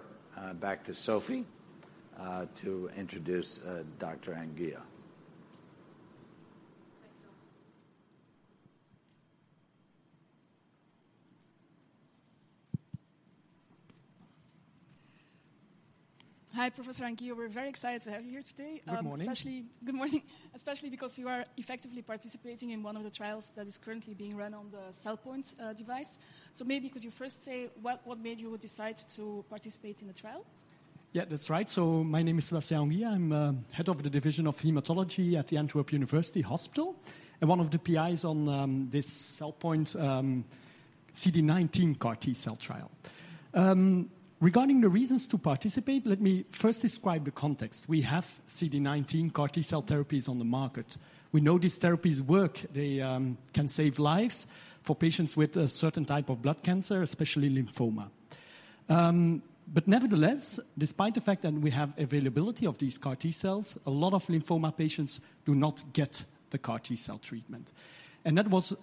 back to Sophie to introduce Dr. Anguille. Thanks so much. Hi, Professor Anguille. We're very excited to have you here today. Good morning. Good morning. Especially because you are effectively participating in one of the trials that is currently being run on the CellPoint device. Maybe could you first say what made you decide to participate in the trial? Yeah, that's right. My name is Sébastien Anguille. I'm head of the Division of Hematology at the Antwerp University Hospital and one of the PIs on this CellPoint CD19 CAR T-cell trial. Regarding the reasons to participate, let me first describe the context. We have CD19 CAR T-cell therapies on the market. We know these therapies work. They can save lives for patients with a certain type of blood cancer, especially lymphoma. Nevertheless, despite the fact that we have availability of these CAR T-cells, a lot of lymphoma patients do not get the CAR T-cell treatment, and that was,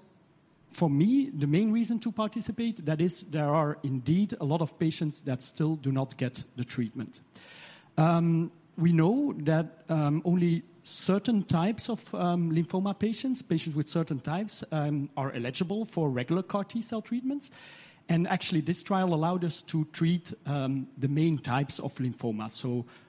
for me, the main reason to participate. That is, there are indeed a lot of patients that still do not get the treatment. We know that only certain types of lymphoma patients with certain types are eligible for regular CAR T-cell treatments, and actually this trial allowed us to treat the main types of lymphoma.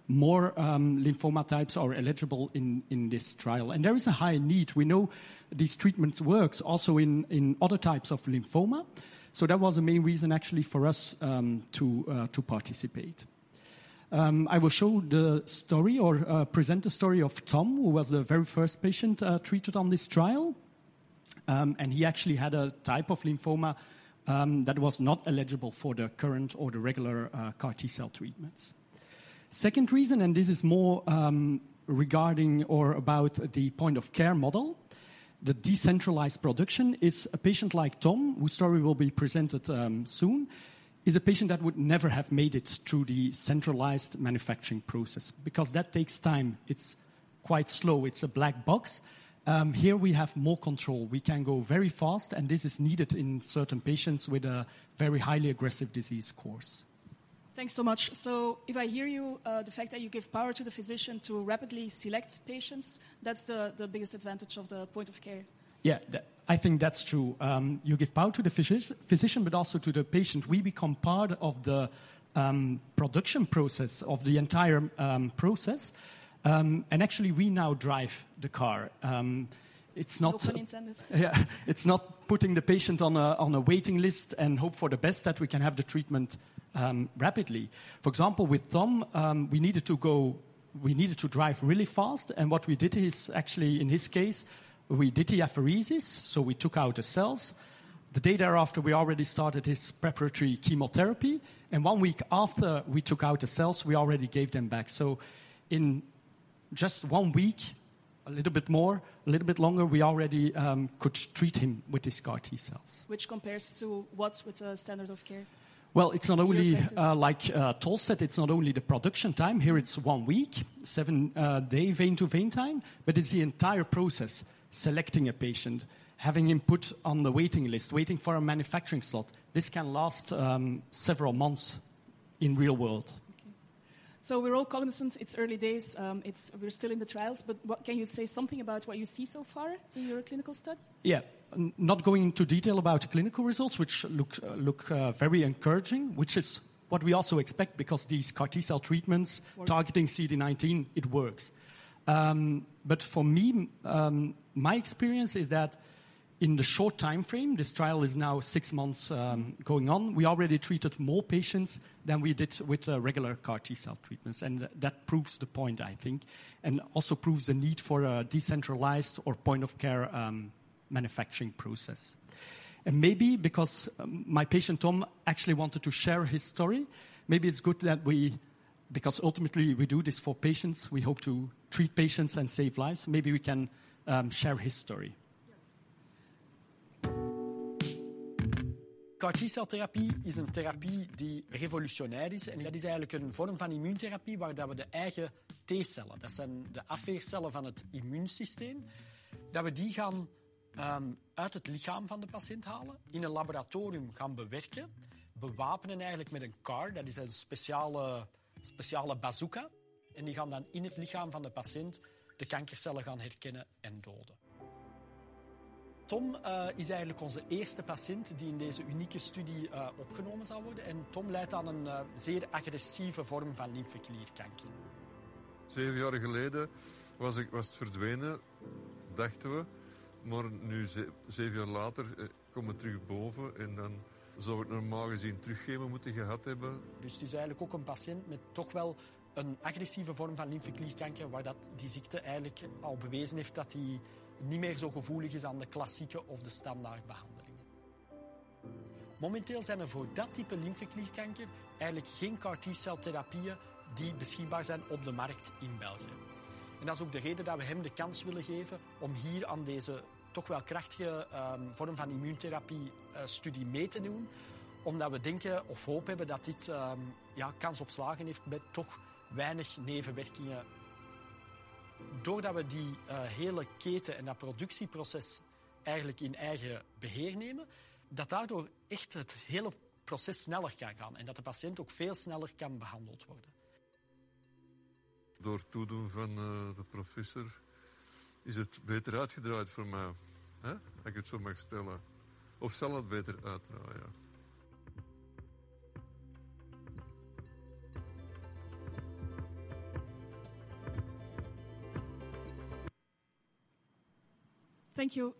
More lymphoma types are eligible in this trial, and there is a high need. We know this treatment works also in other types of lymphoma, so that was the main reason actually for us to participate. I will show the story or present the story of Tom, who was the very first patient treated on this trial. He actually had a type of lymphoma that was not eligible for the current or the regular CAR T-cell treatments. Second reason, this is more regarding or about the point of care model. The decentralized production is a patient like Tom, whose story will be presented soon, is a patient that would never have made it through the centralized manufacturing process because that takes time. It's quite slow. It's a black box. Here we have more control. We can go very fast, and this is needed in certain patients with a very highly aggressive disease course. Thanks so much. If I hear you, the fact that you give power to the physician to rapidly select patients, that's the biggest advantage of the point of care. Yeah, I think that's true. You give power to the physician, but also to the patient. We become part of the production process of the entire process. Actually we now drive the car. It's not. No pun intended. Yeah. It's not putting the patient on a waiting list and hope for the best that we can have the treatment rapidly. For example, with Tom, we needed to drive really fast, and what we did is, actually in his case, we did the apheresis, so we took out the cells. The day thereafter, we already started his preparatory chemotherapy, and one week after we took out the cells, we already gave them back. In just one week, a little bit more, a little bit longer, we already could treat him with his CAR T-cells. Which compares to what with the standard of care? Well, it's not only. Your practice. Like, Tol said, it's not only the production time. Here, it's one week, seven day vein to vein time, but it's the entire process, selecting a patient, having him put on the waiting list, waiting for a manufacturing slot. This can last several months in real world. Okay. We're all cognizant it's early days. We're still in the trials, but can you say something about what you see so far in your clinical study? Yeah. Not going into detail about clinical results, which look very encouraging, which is what we also expect because these CAR T-cell treatments. Of course. Targeting CD19, it works. But for me, my experience is that in the short time frame, this trial is now 6 months going on, we already treated more patients than we did with the regular CAR T-cell treatments, and that proves the point, I think, and also proves the need for a decentralized or point of care manufacturing process. Maybe because my patient, Tom, actually wanted to share his story, maybe it's good because ultimately we do this for patients, we hope to treat patients and save lives, maybe we can share his story. Yes. CAR T-cell therapie is een therapie die revolutionair is, en dat is eigenlijk een vorm van immuuntherapie waar dat we de eigen T-cellen, dat zijn de afweercellen van het immuunsysteem, dat we die gaan uit het lichaam van de patiënt halen, in een laboratorium gaan bewerken, bewapenen eigenlijk met een CAR, dat is een speciale bazooka, en die gaan dan in het lichaam van de patiënt de kankercellen gaan herkennen en doden. Tom is eigenlijk onze eerste patiënt die in deze unieke studie opgenomen zal worden, en Tom lijdt aan een zeer agressieve vorm van lymfeklierkanker. Zeven jaar geleden was het verdwenen, dachten we. Nu zeven jaar later komt het terug boven en dan zou ik normaal gezien terug gegeven moeten gehad hebben. Het is eigenlijk ook een patiënt met toch wel een agressieve vorm van lymfeklierkanker waar dat die ziekte eigenlijk al bewezen heeft dat die niet meer zo gevoelig is aan de klassieke of de standaard behandelingen. Momenteel zijn er voor dat type lymfeklierkanker eigenlijk geen CAR T-cel therapieën die beschikbaar zijn op de markt in België. En dat is ook de reden dat we hem de kans willen geven om hier aan deze toch wel krachtige vorm van immuuntherapie studie mee te doen, omdat we denken of hoop hebben dat dit kans op slagen heeft met toch weinig nevenwerkingen. Doordat we die hele keten en dat productieproces eigenlijk in eigen beheer nemen, dat daardoor echt het hele proces sneller kan gaan en dat de patiënt ook veel sneller kan behandeld worden. Door toedoen van de professor is het beter uitgedraaid voor mij. Als ik het zo mag stellen. Of zal het beter uitdraaien? Thank you.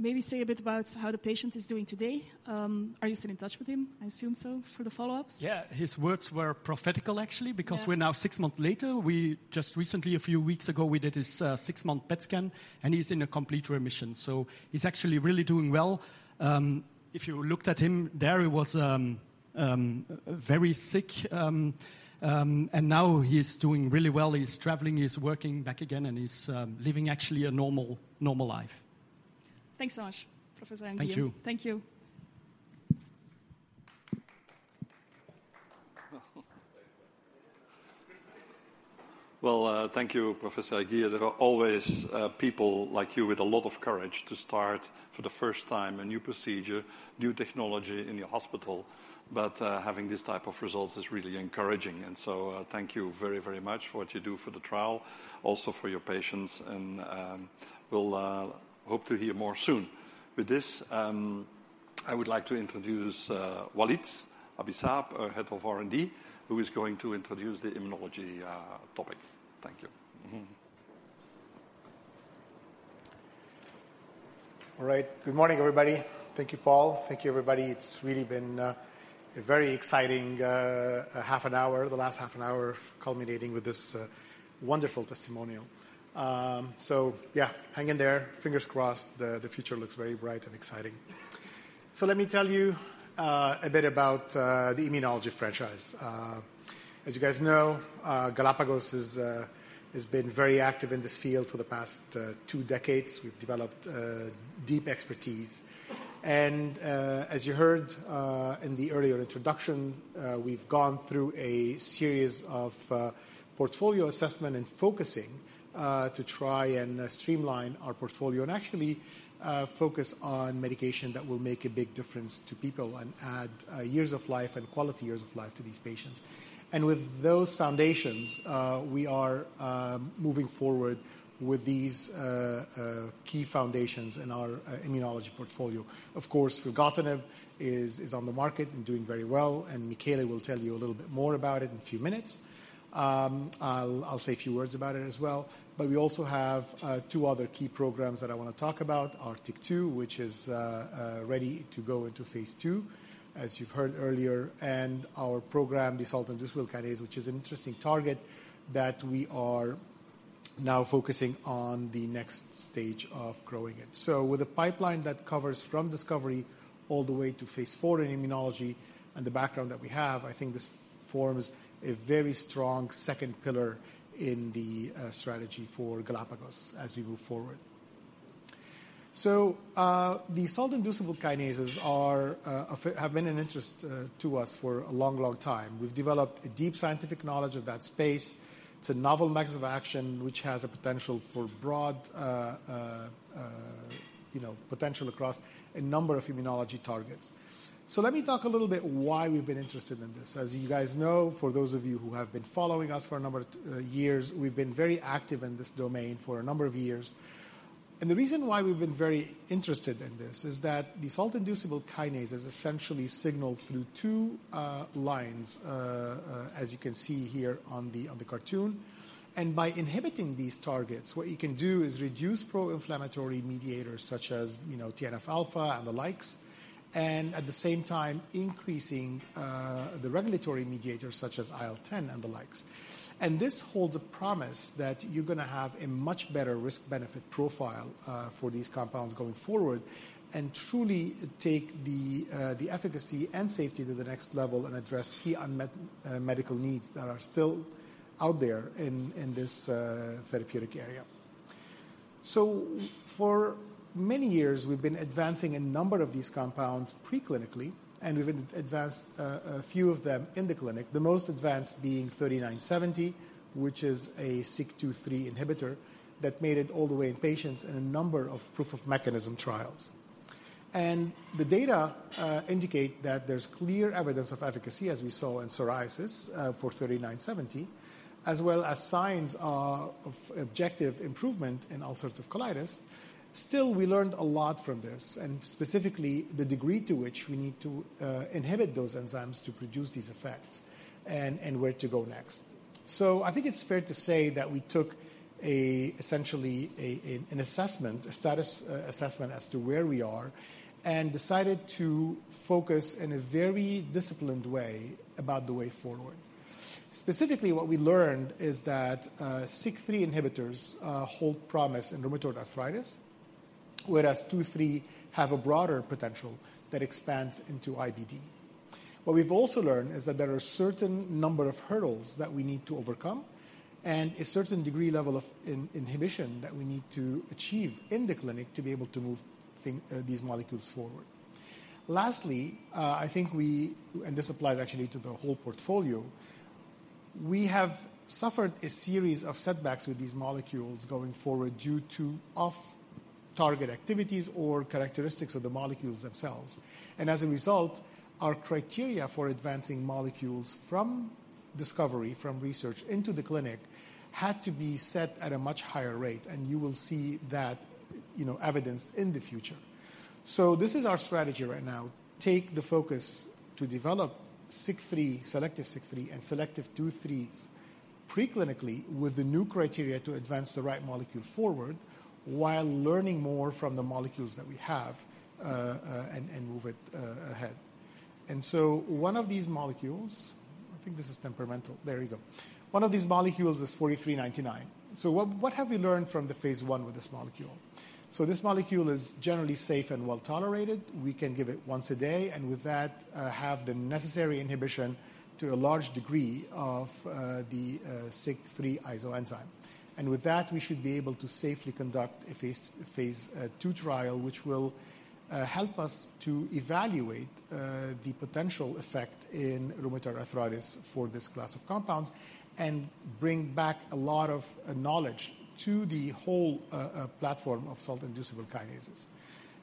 Maybe say a bit about how the patient is doing today. Are you still in touch with him? I assume so for the follow-ups. Yeah, his words were prophetical actually, because we're now six months later. We just recently, a few weeks ago, we did his six-month PET scan, and he's in a complete remission. He's actually really doing well. If you looked at him, there he was very sick, and now he's doing really well. He's traveling, he's working back again, and he's living actually a normal life. Thanks so much, Professor Anguille. Thank you. Thank you. Well, thank you, Professor Anguille. There are always people like you with a lot of courage to start for the first time a new procedure, new technology in your hospital. Having this type of results is really encouraging. Thank you very, very much for what you do for the trial, also for your patients. We'll hope to hear more soon. With this, I would like to introduce Walid Abi-Saab, our head of R&D, who is going to introduce the immunology topic. Thank you. All right. Good morning, everybody. Thank you, Paul. Thank you, everybody. It's really been a very exciting half an hour, the last half an hour culminating with this wonderful testimonial. Yeah, hang in there. Fingers crossed. The future looks very bright and exciting. Let me tell you a bit about the immunology franchise. As you guys know, Galapagos has been very active in this field for the past two decades. We've developed deep expertise. As you heard in the earlier introduction, we've gone through a series of portfolio assessment and focusing to try and streamline our portfolio and actually focus on medication that will make a big difference to people and add years of life and quality years of life to these patients. With those foundations, we are moving forward with these key foundations in our immunology portfolio. Of course, Filgotinib is on the market and doing very well, and Michele will tell you a little bit more about it in a few minutes. I'll say a few words about it as well. We also have two other key programs that I want to talk about, TYK2, which is ready to go into phase II, as you've heard earlier, and our program, the salt-inducible kinase, which is an interesting target that we are now focusing on the next stage of growing it. With a pipeline that covers from discovery all the way to phase four in immunology and the background that we have, I think this forms a very strong second pillar in the strategy for Galapagos as we move forward. The salt-inducible kinases have been an interest to us for a long, long time. We've developed a deep scientific knowledge of that space. It's a novel mechanism of action, which has a potential for broad, you know, potential across a number of immunology targets. Let me talk a little bit why we've been interested in this. As you guys know, for those of you who have been following us for a number of years, we've been very active in this domain for a number of years. The reason why we've been very interested in this is that the salt-inducible kinase is essentially signaled through two lines, as you can see here on the cartoon. By inhibiting these targets, what you can do is reduce pro-inflammatory mediators such as, you know, TNF-alpha and the likes, and at the same time increasing the regulatory mediators such as IL-10 and the likes. This holds a promise that you're going to have a much better risk-benefit profile for these compounds going forward and truly take the efficacy and safety to the next level and address key unmet medical needs that are still out there in this therapeutic area. For many years, we've been advancing a number of these compounds pre-clinically, and we've advanced a few of them in the clinic, the most advanced being 3970, which is a SIK2/3 inhibitor that made it all the way in patients in a number of proof of mechanism trials. The data indicate that there's clear evidence of efficacy, as we saw in psoriasis for 3970, as well as signs of objective improvement in ulcerative colitis. Still, we learned a lot from this, and specifically the degree to which we need to inhibit those enzymes to produce these effects and where to go next. I think it's fair to say that we took essentially an assessment, a status assessment as to where we are, and decided to focus in a very disciplined way about the way forward. Specifically, what we learned is that SIK3 inhibitors hold promise in rheumatoid arthritis, whereas SIK2/3 have a broader potential that expands into IBD. What we've also learned is that there are a certain number of hurdles that we need to overcome and a certain degree level of inhibition that we need to achieve in the clinic to be able to move these molecules forward. Lastly, I think we, and this applies actually to the whole portfolio, we have suffered a series of setbacks with these molecules going forward due to off-target activities or characteristics of the molecules themselves. As a result, our criteria for advancing molecules from discovery, from research into the clinic had to be set at a much higher rate, and you will see that, you know, evidence in the future. This is our strategy right now. Take the focus to develop SIK3, selective SIK3, and selective 2/3 preclinically with the new criteria to advance the right molecule forward while learning more from the molecules that we have, and move it ahead. One of these molecules is GLPG4399. What have we learned from the phase I with this molecule? This molecule is generally safe and well-tolerated. We can give it once a day, and with that, have the necessary inhibition to a large degree of the SIK3 isoenzyme. With that, we should be able to safely conduct a phase II trial, which will help us to evaluate the potential effect in rheumatoid arthritis for this class of compounds and bring back a lot of knowledge to the whole platform of salt-inducible kinases.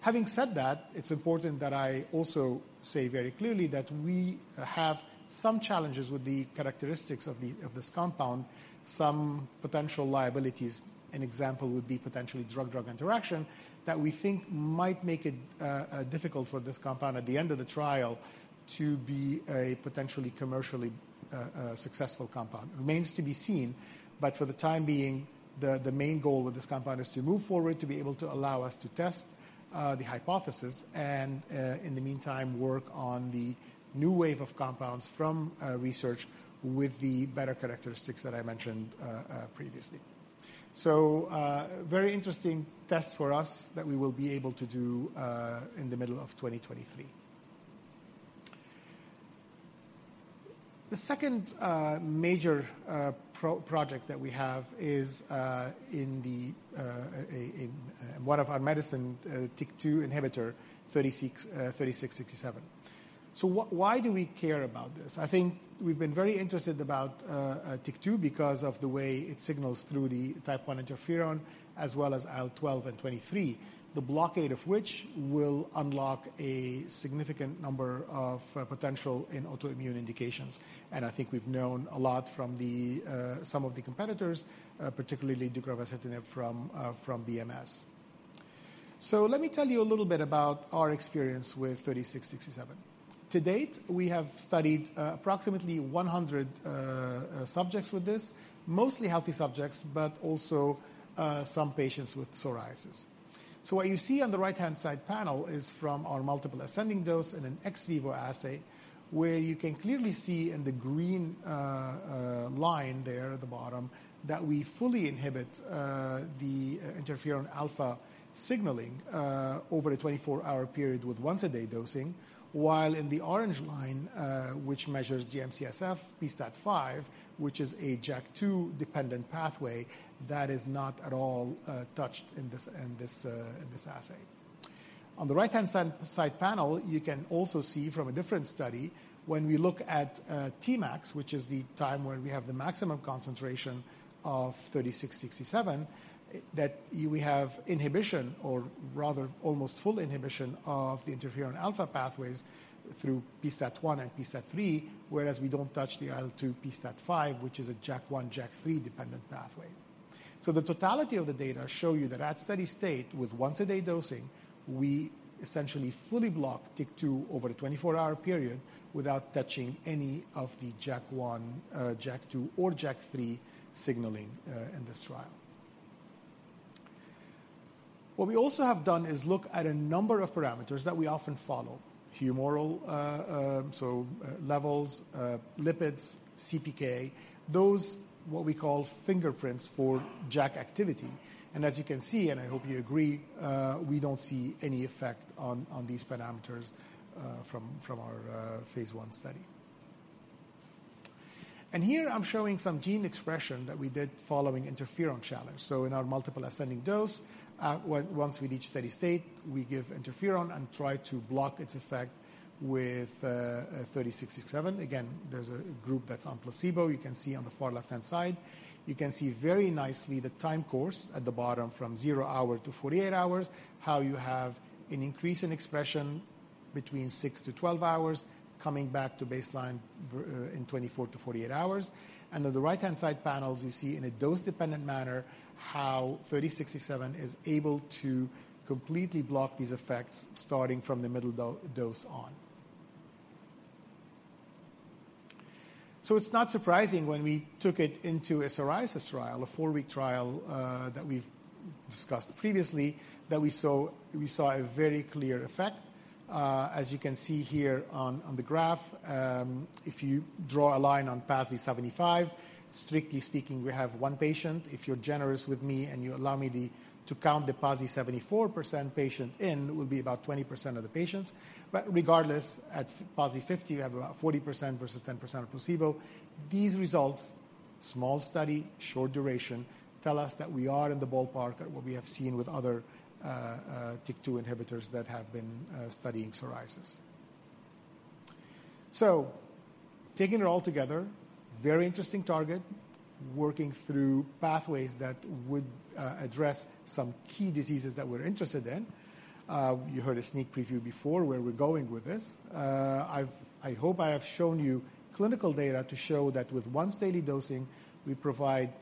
Having said that, it's important that I also say very clearly that we have some challenges with the characteristics of this compound, some potential liabilities. An example would be potentially drug-drug interaction that we think might make it difficult for this compound at the end of the trial to be a potentially commercially successful compound. Remains to be seen, but for the time being, the main goal with this compound is to move forward to be able to allow us to test the hypothesis and in the meantime, work on the new wave of compounds from research with the better characteristics that I mentioned previously. Very interesting test for us that we will be able to do in the middle of 2023. The second major program that we have is in one of our medicines, TYK2 inhibitor 3667. Why do we care about this? I think we've been very interested about TYK2 because of the way it signals through the type one interferon as well as IL-12 and 23, the blockade of which will unlock a significant number of potential in autoimmune indications. I think we've known a lot from some of the competitors particularly deucravacitinib from BMS. Let me tell you a little bit about our experience with GLPG3667. To date, we have studied approximately 100 subjects with this, mostly healthy subjects, but also some patients with psoriasis. What you see on the right-hand side panel is from our multiple ascending dose in an ex vivo assay, where you can clearly see in the green line there at the bottom that we fully inhibit the interferon alpha signaling over a 24-hour period with once-a-day dosing. While in the orange line, which measures GM-CSF, p-STAT5, which is a JAK2-dependent pathway that is not at all touched in this assay. On the right-hand side panel, you can also see from a different study, when we look at Tmax, which is the time where we have the maximum concentration of 3667, that we have inhibition or rather almost full inhibition of the interferon alpha pathways through p-STAT1 and p-STAT3, whereas we don't touch the IL-2 p-STAT5, which is a JAK1/JAK3-dependent pathway. The totality of the data show you that at steady state with once-a-day dosing, we essentially fully block TYK2 over a 24-hour period without touching any of the JAK1, JAK2, or JAK3 signaling in this trial. What we also have done is look at a number of parameters that we often follow, humoral levels, lipids, CPK, those what we call fingerprints for JAK activity. As you can see, and I hope you agree, we don't see any effect on these parameters from our phase I study. Here I'm showing some gene expression that we did following interferon challenge. In our multiple ascending dose, once we reach steady state, we give interferon and try to block its effect with GLPG3667. Again, there's a group that's on placebo. You can see on the far left-hand side. You can see very nicely the time course at the bottom from zero hour to 48 hours, how you have an increase in expression between six-12 hours, coming back to baseline in 24-48 hours. On the right-hand side panels, you see in a dose-dependent manner how 3667 is able to completely block these effects, starting from the middle dose on. It's not surprising when we took it into a psoriasis trial, a four-week trial, that we've discussed previously, that we saw a very clear effect. As you can see here on the graph, if you draw a line on PASI 75, strictly speaking, we have one patient. If you're generous with me and you allow me to count the PASI 74% patient in, it would be about 20% of the patients. Regardless, at PASI 50, we have about 40% versus 10% of placebo. These results. Small study, short duration tell us that we are in the ballpark at what we have seen with other TYK2 inhibitors that have been studying psoriasis. Taking it all together, very interesting target, working through pathways that would address some key diseases that we're interested in. You heard a sneak preview before where we're going with this. I hope I have shown you clinical data to show that with once-daily dosing, we provide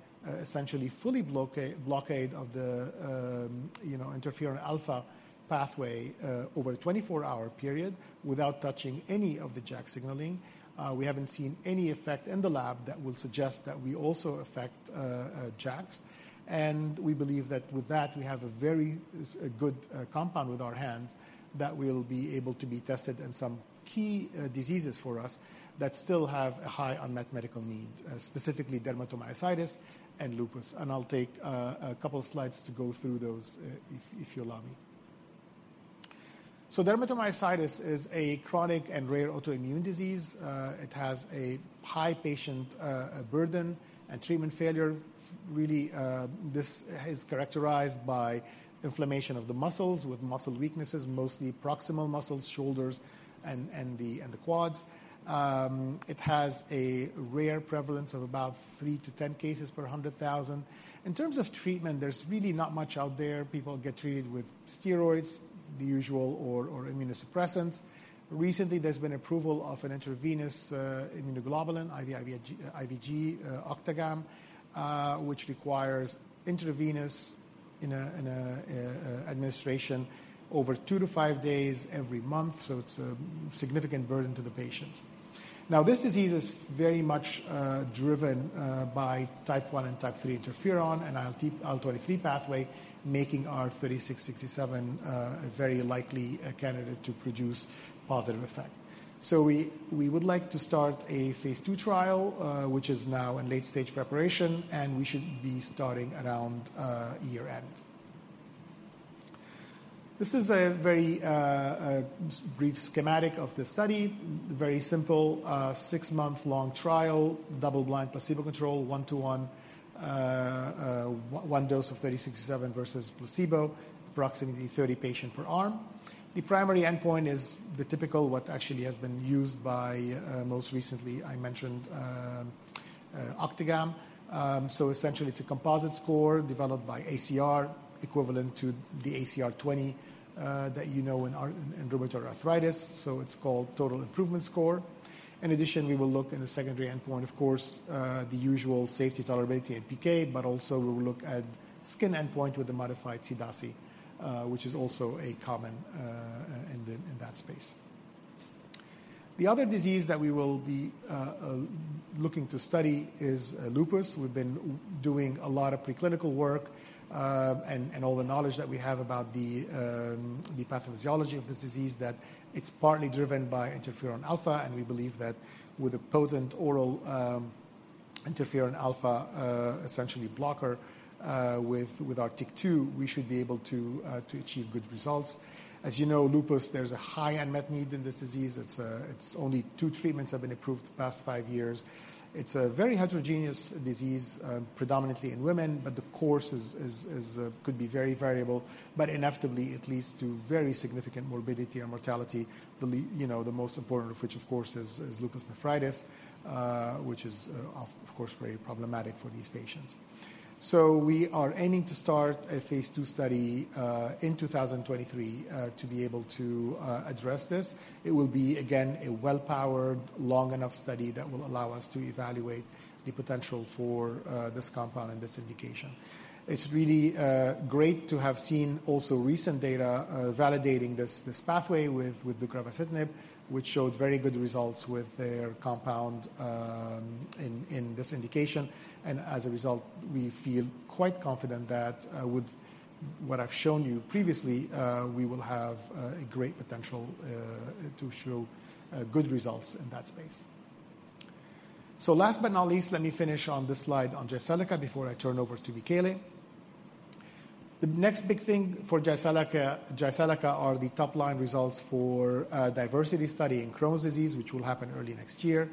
essentially full blockade of the, you know, interferon alpha pathway over a 24-hour period without touching any of the JAK signaling. We haven't seen any effect in the lab that will suggest that we also affect JAKs. We believe that with that, we have a very a good compound with our hands that will be able to be tested in some key diseases for us that still have a high unmet medical need, specifically dermatomyositis and lupus. I'll take a couple of slides to go through those, if you allow me. Dermatomyositis is a chronic and rare autoimmune disease. It has a high patient burden and treatment failure. This is characterized by inflammation of the muscles with muscle weaknesses, mostly proximal muscles, shoulders, and the quads. It has a rare prevalence of about 3-10 cases per 100,000. In terms of treatment, there's really not much out there. People get treated with steroids, the usual, or immunosuppressants. Recently, there's been approval of an intravenous immunoglobulin, IVIg, Octagam, which requires intravenous administration over two to five days every month, so it's a significant burden to the patient. Now, this disease is very much driven by type I and type III interferon and IL-23 pathway, making GLPG3667 a very likely candidate to produce positive effect. We would like to start a phase II trial, which is now in late stage preparation, and we should be starting around year-end. This is a very brief schematic of the study. Very simple, six-month-long trial, double-blind placebo control, one to one, one dose of GLPG3667 versus placebo, approximately 30 patient per arm. The primary endpoint is the typical, what actually has been used by most recently I mentioned, Octagam. Essentially it's a composite score developed by ACR equivalent to the ACR20, that you know in rheumatoid arthritis, so it's called total improvement score. In addition, we will look in the secondary endpoint, of course, the usual safety tolerability and PK, but also we will look at skin endpoint with the modified CDASI, which is also a common in that space. The other disease that we will be looking to study is lupus. We've been doing a lot of preclinical work, and all the knowledge that we have about the pathophysiology of this disease, that it's partly driven by interferon alpha, and we believe that with a potent oral interferon alpha essentially blocker with our TYK2, we should be able to achieve good results. As you know, lupus, there's a high unmet need in this disease. It's only two treatments have been approved the past five years. It's a very heterogeneous disease, predominantly in women, but the course could be very variable, but inevitably it leads to very significant morbidity and mortality. You know, the most important of which, of course, is lupus nephritis, which is, of course, very problematic for these patients. We are aiming to start a phase II study in 2023 to be able to address this. It will be, again, a well-powered, long enough study that will allow us to evaluate the potential for this compound and this indication. It's really great to have seen also recent data validating this pathway with the deucravacitinib, which showed very good results with their compound in this indication. As a result, we feel quite confident that with what I've shown you previously we will have a great potential to show good results in that space. Last but not least, let me finish on this slide on Jyseleca before I turn over to Michele. The next big thing for Jyseleca are the top-line results for DIVERSITY study in Crohn's disease, which will happen early next year.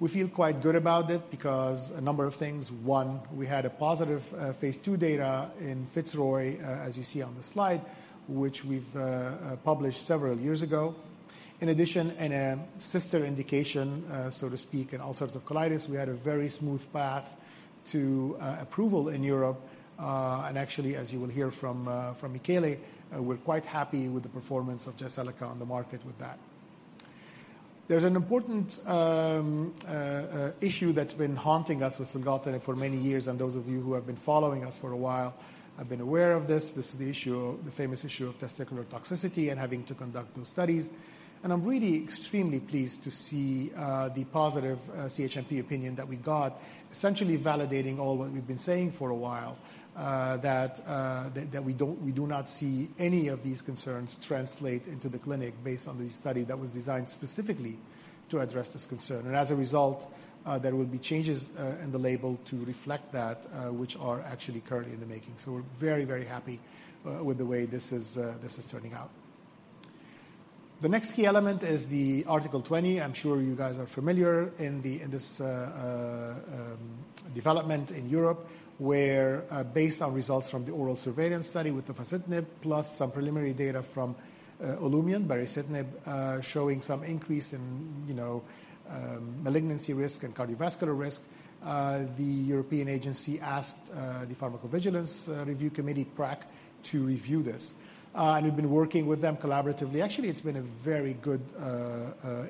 We feel quite good about it because a number of things. One, we had a positive phase II data in FITZROY, as you see on the slide, which we've published several years ago. In addition, in a sister indication, so to speak, in ulcerative colitis, we had a very smooth path to approval in Europe. Actually, as you will hear from Michele, we're quite happy with the performance of Jyseleca on the market with that. There's an important issue that's been haunting us with filgotinib for many years, and those of you who have been following us for a while have been aware of this. This is the issue, the famous issue of testicular toxicity and having to conduct those studies. I'm really extremely pleased to see the positive CHMP opinion that we got, essentially validating all what we've been saying for a while, that we don't, we do not see any of these concerns translate into the clinic based on the study that was designed specifically to address this concern. As a result, there will be changes in the label to reflect that, which are actually currently in the making. We're very, very happy with the way this is turning out. The next key element is the Article 20. I'm sure you guys are familiar with this development in Europe, where based on results from the ORAL Surveillance study with the tofacitinib plus some preliminary data from Olumiant, baricitinib, showing some increase in, you know, malignancy risk and cardiovascular risk. The European agency asked the Pharmacovigilance Risk Assessment Committee, PRAC, to review this. We've been working with them collaboratively. Actually, it's been a very good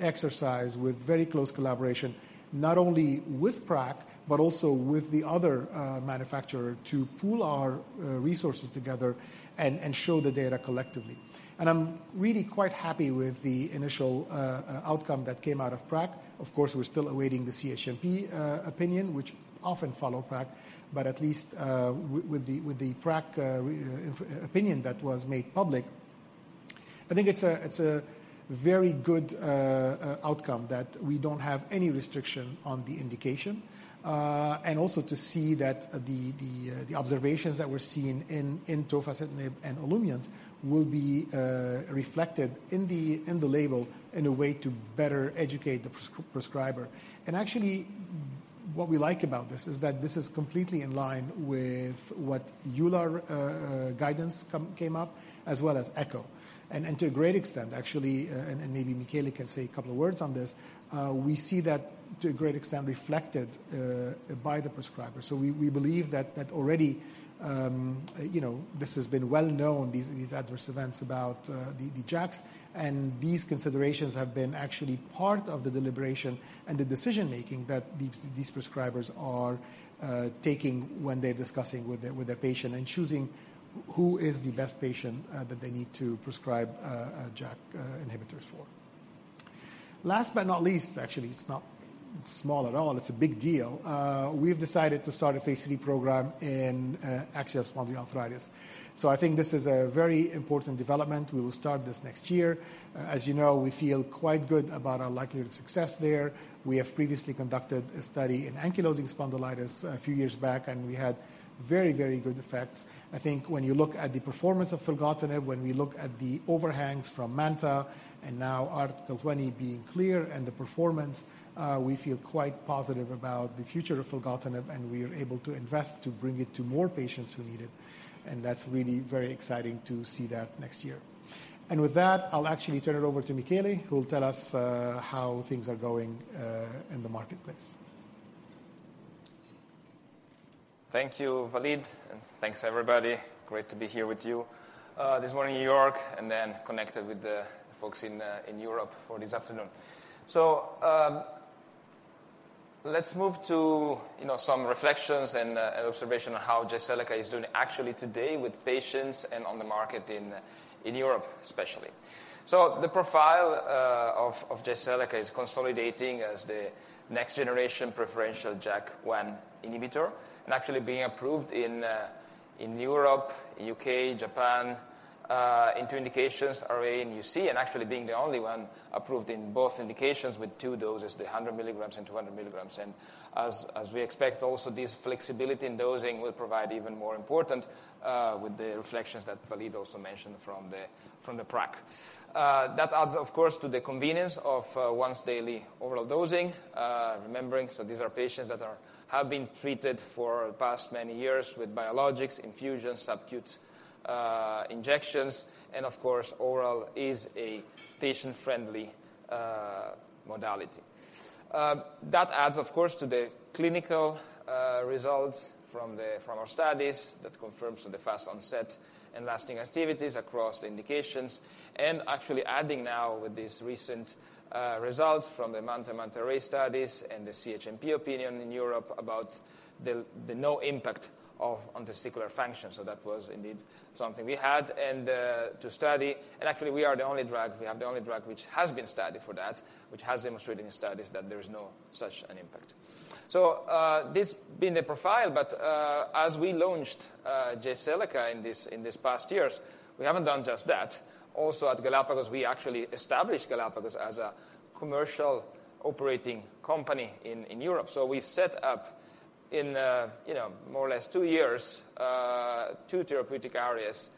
exercise with very close collaboration, not only with PRAC but also with the other manufacturer to pool our resources together and show the data collectively. I'm really quite happy with the initial outcome that came out of PRAC. Of course, we're still awaiting the CHMP opinion, which often follow PRAC, but at least, with the PRAC opinion that was made public, I think it's a very good outcome that we don't have any restriction on the indication. Also to see that the observations that we're seeing in tofacitinib and Olumiant will be reflected in the label in a way to better educate the prescriber. Actually, what we like about this is that this is completely in line with what EULAR guidance came up, as well as ECCO. To a great extent, actually, maybe Michele can say a couple of words on this, we see that to a great extent reflected by the prescriber. We believe that already, you know, this has been well known, these adverse events about the JAKs, and these considerations have been actually part of the deliberation and the decision-making that these prescribers are taking when they're discussing with their patient and choosing who is the best patient that they need to prescribe JAK inhibitors for. Last but not least, actually, it's not small at all, it's a big deal. We've decided to start a phase III program in axial spondyloarthritis. I think this is a very important development. We will start this next year. As you know, we feel quite good about our likelihood of success there. We have previously conducted a study in ankylosing spondylitis a few years back, and we had very good effects. I think when you look at the performance of Filgotinib, when we look at the overhangs from MANTA and now Article 20 being clear and the performance, we feel quite positive about the future of Filgotinib, and we are able to invest to bring it to more patients who need it, and that's really very exciting to see that next year. With that, I'll actually turn it over to Michele, who will tell us how things are going in the marketplace. Thank you, Walid, and thanks, everybody. Great to be here with you this morning in New York and then connected with the folks in Europe for this afternoon. Let's move to you know some reflections and observation on how Jyseleca is doing actually today with patients and on the market in Europe, especially. The profile of Jyseleca is consolidating as the next-generation preferential JAK1 inhibitor and actually being approved in Europe, UK, Japan in two indications, RA and UC, and actually being the only one approved in both indications with two doses, the 100 mg and 200 mg. As we expect also, this flexibility in dosing will provide even more important with the reflections that Walid also mentioned from the PRAC. That adds of course to the convenience of once-daily oral dosing, remembering, so these are patients that have been treated for the past many years with biologics, infusions, subcut, injections, and of course, oral is a patient-friendly modality. That adds of course to the clinical results from our studies that confirms the fast onset and lasting activities across the indications and actually adding now with these recent results from the MANTA and MANTA-RAy studies and the CHMP opinion in Europe about the no impact on testicular function. That was indeed something we had and to study. Actually, we are the only drug. We have the only drug which has been studied for that, which has demonstrated in studies that there is no such an impact. This being the profile, but as we launched Jyseleca in this past years, we haven't done just that. Also at Galapagos, we actually established Galapagos as a commercial operating company in Europe. We set up in you know, more or less two years, two therapeutic areas,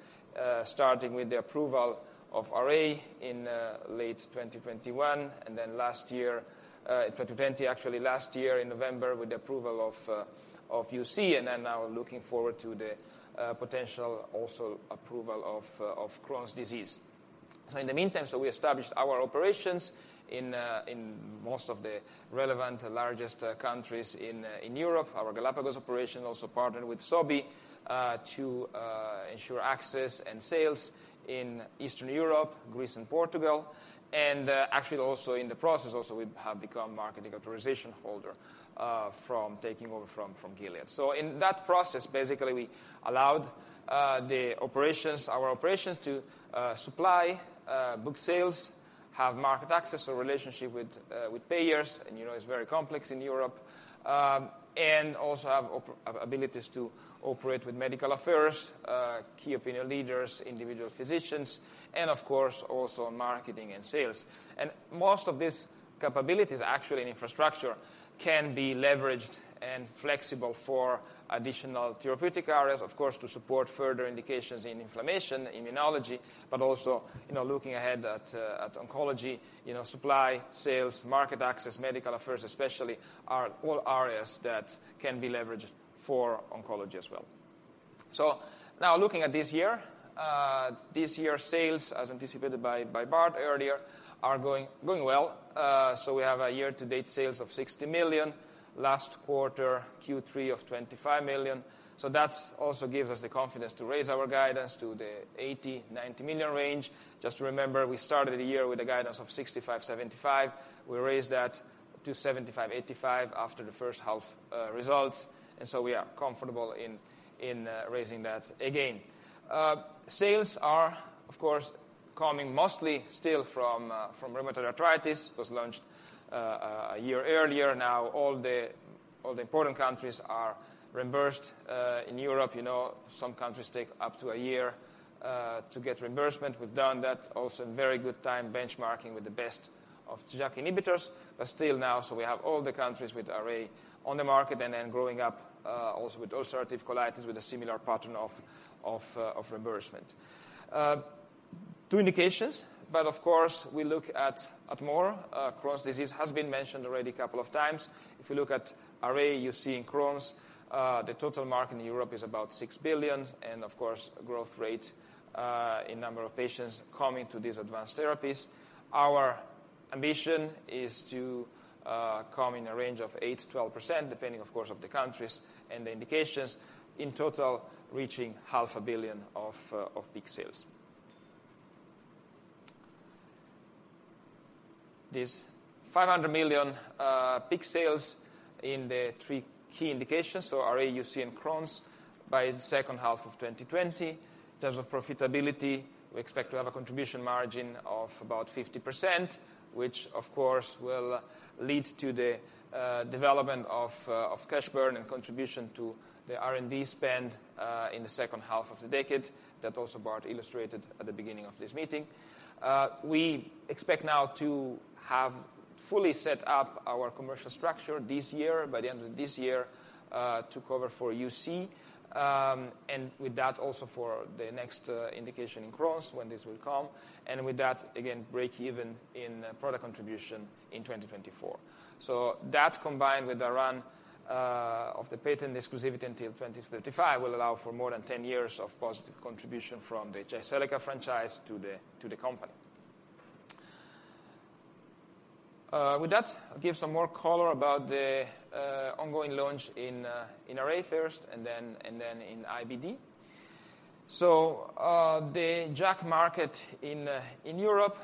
starting with the approval of RA in late 2021 and then last year, actually last year in November with the approval of UC and then now looking forward to the potential also approval of Crohn's disease. In the meantime, we established our operations in most of the relevant largest countries in Europe. Our Galapagos operation also partnered with Sobi to ensure access and sales in Eastern Europe, Greece, and Portugal. Actually also in the process, we have become marketing authorization holder from taking over from Gilead. In that process, basically, we allowed our operations to supply, book sales, have market access or relationship with payers, and you know, it's very complex in Europe, and also have capabilities to operate with medical affairs, key opinion leaders, individual physicians, and of course, also marketing and sales. Most of these capabilities and infrastructure can be leveraged and flexible for additional therapeutic areas, of course, to support further indications in inflammation, immunology, but also, you know, looking ahead at oncology. You know, supply, sales, market access, medical affairs especially are all areas that can be leveraged for oncology as well. Now looking at this year, this year sales, as anticipated by Bart earlier, are going well. So we have year-to-date sales of 60 million. Last quarter, Q3 of 25 million. So that also gives us the confidence to raise our guidance to the 80-90 million range. Just remember, we started the year with a guidance of 65-75. We raised that to 75-85 after the first half results. We are comfortable in raising that again. Sales are, of course, coming mostly still from rheumatoid arthritis. Was launched a year earlier. Now all the important countries are reimbursed. In Europe, you know, some countries take up to a year to get reimbursement. We've done that also in very good time benchmarking with the best of JAK inhibitors. Still now, so we have all the countries with RA on the market and then growing up also with ulcerative colitis with a similar pattern of reimbursement. Two indications, but of course, we look at more. Crohn's disease has been mentioned already a couple of times. If you look at RA, you see in Crohn's the total market in Europe is about 6 billion. Of course, growth rate in number of patients coming to these advanced therapies. Our ambition is to come in a range of 8%-12%, depending, of course, on the countries and the indications, in total reaching EUR half a billion of peak sales. This EUR 500 million peak sales in the three key indications, so RA, UC, and Crohn's, by the second half of 2020. In terms of profitability, we expect to have a contribution margin of about 50%, which of course will lead to the reduction of cash burn and contribution to the R&D spend, in the second half of the decade. That also Bart illustrated at the beginning of this meeting. We expect now to have fully set up our commercial structure this year, by the end of this year, to cover UC. With that also for the next indication in Crohn's when this will come. With that, again, break even in product contribution in 2024. That combined with the run of the patent exclusivity until 2055 will allow for more than 10 years of positive contribution from the Jyseleca franchise to the company. With that, I'll give some more color about the ongoing launch in RA first and then in IBD. The JAK market in Europe,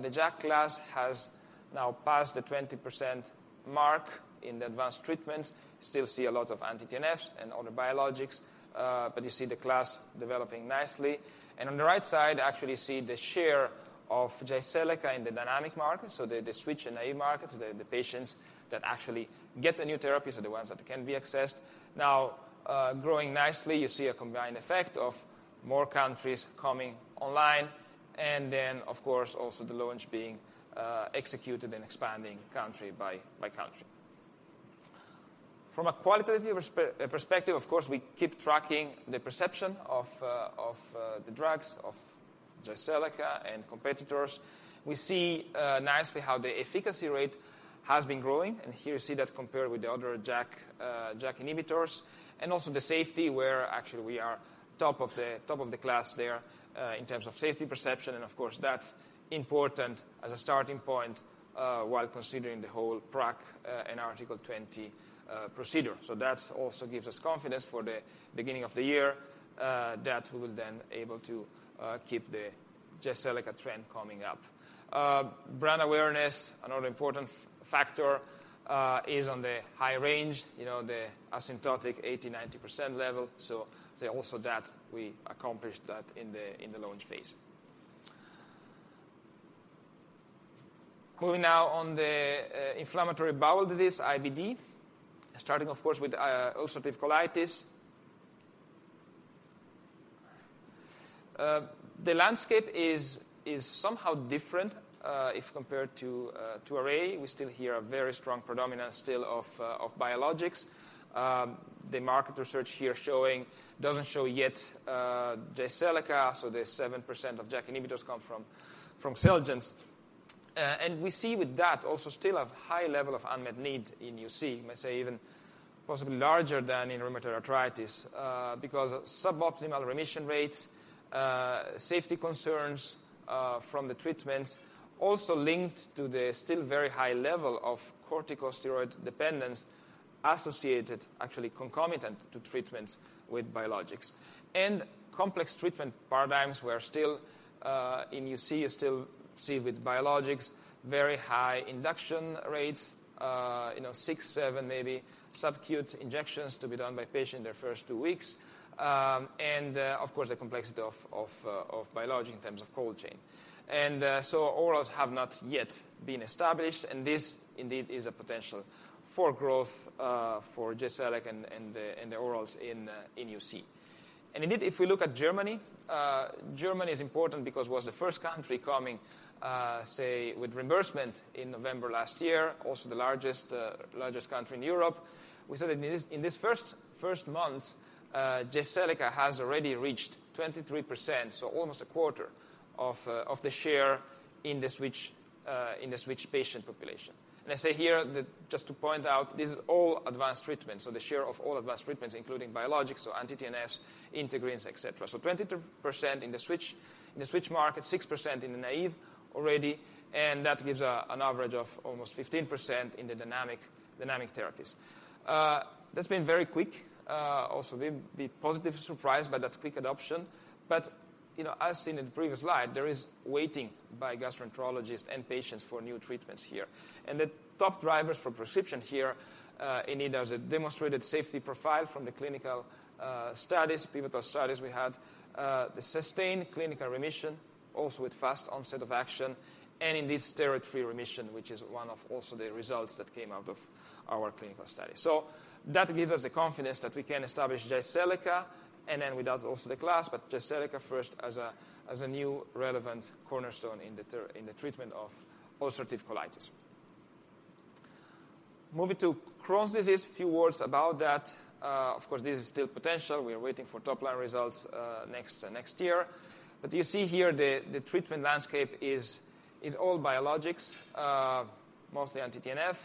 the JAK class has now passed the 20% mark in the advanced treatments. Still see a lot of anti-TNFs and other biologics, but you see the class developing nicely. On the right side, actually you see the share of Jyseleca in the dynamic market. The ex-NA markets, the patients that actually get the new therapies are the ones that can be accessed. Now, growing nicely, you see a combined effect of more countries coming online. Then, of course, also the launch being executed and expanding country by country. From a qualitative perspective, of course, we keep tracking the perception of the drugs, of Jyseleca and competitors. We see nicely how the efficacy rate has been growing. Here you see that compared with the other JAK inhibitors. Also the safety, where actually we are top of the class there in terms of safety perception. Of course, that's important as a starting point while considering the whole PRAC and Article 20 procedure. That's also gives us confidence for the beginning of the year, that we will then able to keep the Jyseleca trend coming up. Brand awareness, another important factor, is on the high range, you know, the asymptotic 80, 90% level. That also says we accomplished that in the launch phase. Moving now on the inflammatory bowel disease, IBD. Starting of course with ulcerative colitis. The landscape is somehow different if compared to RA. We still hear a very strong predominance of biologics. The market research here doesn't show yet Jyseleca, so the 7% of JAK inhibitors come from Xeljanz. And we see with that also still a high level of unmet need in UC. I must say even possibly larger than in rheumatoid arthritis, because of suboptimal remission rates, safety concerns from the treatments. Also linked to the still very high level of corticosteroid dependence associated, actually concomitant to treatments with biologics. Complex treatment paradigms, where still, in UC you still see with biologics very high induction rates, you know, six, seven maybe subcutaneous injections to be done by patient their first two weeks. Of course, the complexity of biologics in terms of cold chain. Orals have not yet been established, and this indeed is a potential for growth for Jyseleca and the orals in UC. Indeed, if we look at Germany is important because it was the first country coming, say, with reimbursement in November last year, also the largest country in Europe. We said in this first month, Jyseleca has already reached 23%, so almost a quarter of the share in the switch patient population. I say here that just to point out, this is all advanced treatment, so the share of all advanced treatments including biologics, so anti-TNFs, integrins, et cetera. 20% in the switch market, 6% in the naive already, and that gives an average of almost 15% in the dynamic therapies. That's been very quick. Also we've been positively surprised by that quick adoption. You know, as seen in the previous slide, there is waiting by gastroenterologists and patients for new treatments here. The top drivers for prescription here, indeed, there's a demonstrated safety profile from the clinical studies, pivotal studies we had. The sustained clinical remission also with fast onset of action and indeed steroid-free remission, which is one of also the results that came out of our clinical study. That gives us the confidence that we can establish Jyseleca and then with that also the class, but Jyseleca first as a new relevant cornerstone in the treatment of ulcerative colitis. Moving to Crohn's disease, a few words about that. Of course, this is still potential. We are waiting for top-line results next year. You see here the treatment landscape is all biologics, mostly anti-TNF,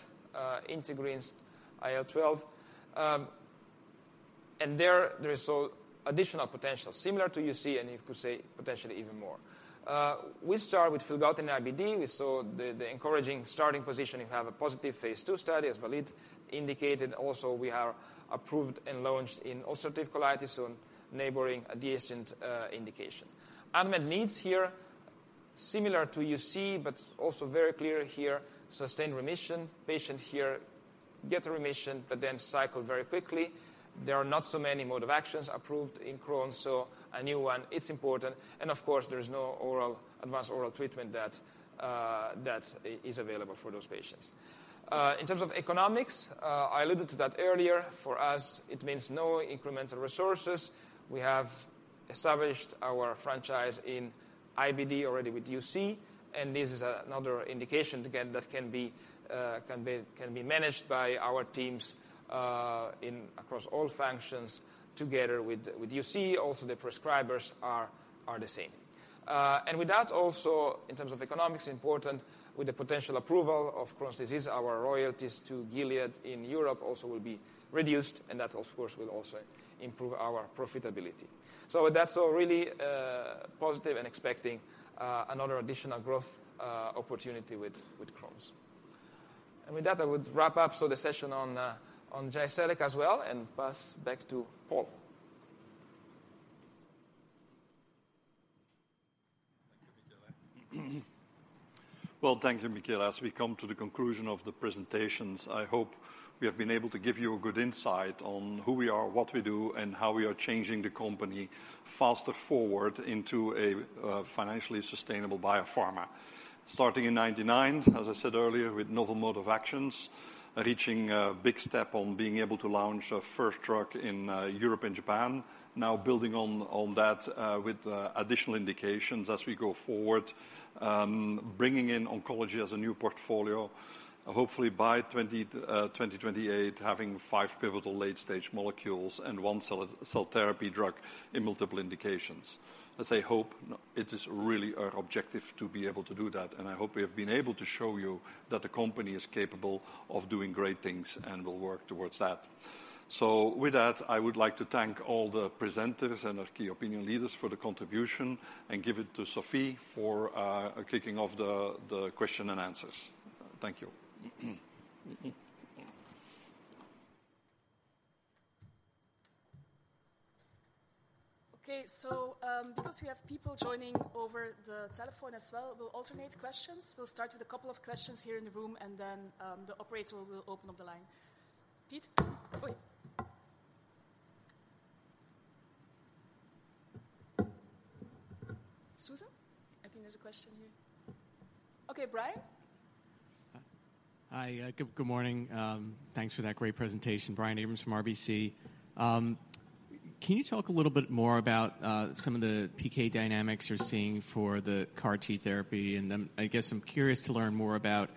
integrins, IL-12. There is such additional potential similar to UC and you could say potentially even more. We start with Filgotinib IBD. We saw the encouraging starting position. We have a positive phase II study as well indicated. Also we are approved and launched in ulcerative colitis, so neighboring adjacent indication. Unmet needs here, similar to UC, but also very clear here, sustained remission. Patient here get a remission, but then cycle very quickly. There are not so many modes of action approved in Crohn's, so a new one, it's important. Of course, there is no oral advanced oral treatment that is available for those patients. In terms of economics, I alluded to that earlier. For us, it means no incremental resources. We have established our franchise in IBD already with UC, and this is another indication, again, that can be managed by our teams across all functions together with UC, also the prescribers are the same. With that also in terms of economics important with the potential approval of Crohn's disease, our royalties to Gilead in Europe also will be reduced, and that of course will also improve our profitability. With that, so really positive and expecting another additional growth opportunity with Crohn's. With that, I would wrap up, so the session on Jyseleca as well and pass back to Paul. Thank you, Michele. Well, thank you, Michele. As we come to the conclusion of the presentations, I hope we have been able to give you a good insight on who we are, what we do, and how we are changing the company faster forward into a financially sustainable biopharma. Starting in 1999, as I said earlier, with novel modes of action, reaching a big step on being able to launch our first drug in Europe and Japan. Now building on that with additional indications as we go forward, bringing in oncology as a new portfolio, hopefully by 2028 having 5 pivotal late-stage molecules and one cell therapy drug in multiple indications. I hope, it is really our objective to be able to do that, and I hope we have been able to show you that the company is capable of doing great things and will work towards that. With that, I would like to thank all the presenters and our key opinion leaders for the contribution and give it to Sophie for kicking off the question and answers. Thank you. Okay. Because we have people joining over the telephone as well, we'll alternate questions. We'll start with a couple of questions here in the room and then, the operator will open up the line. Pete. Oi. Susan, I think there's a question here. Okay, Brian? Hi. Good morning. Thanks for that great presentation. Brian Abrahams from RBC. Can you talk a little bit more about some of the PK dynamics you're seeing for the CAR-T therapy? I guess I'm curious to learn more about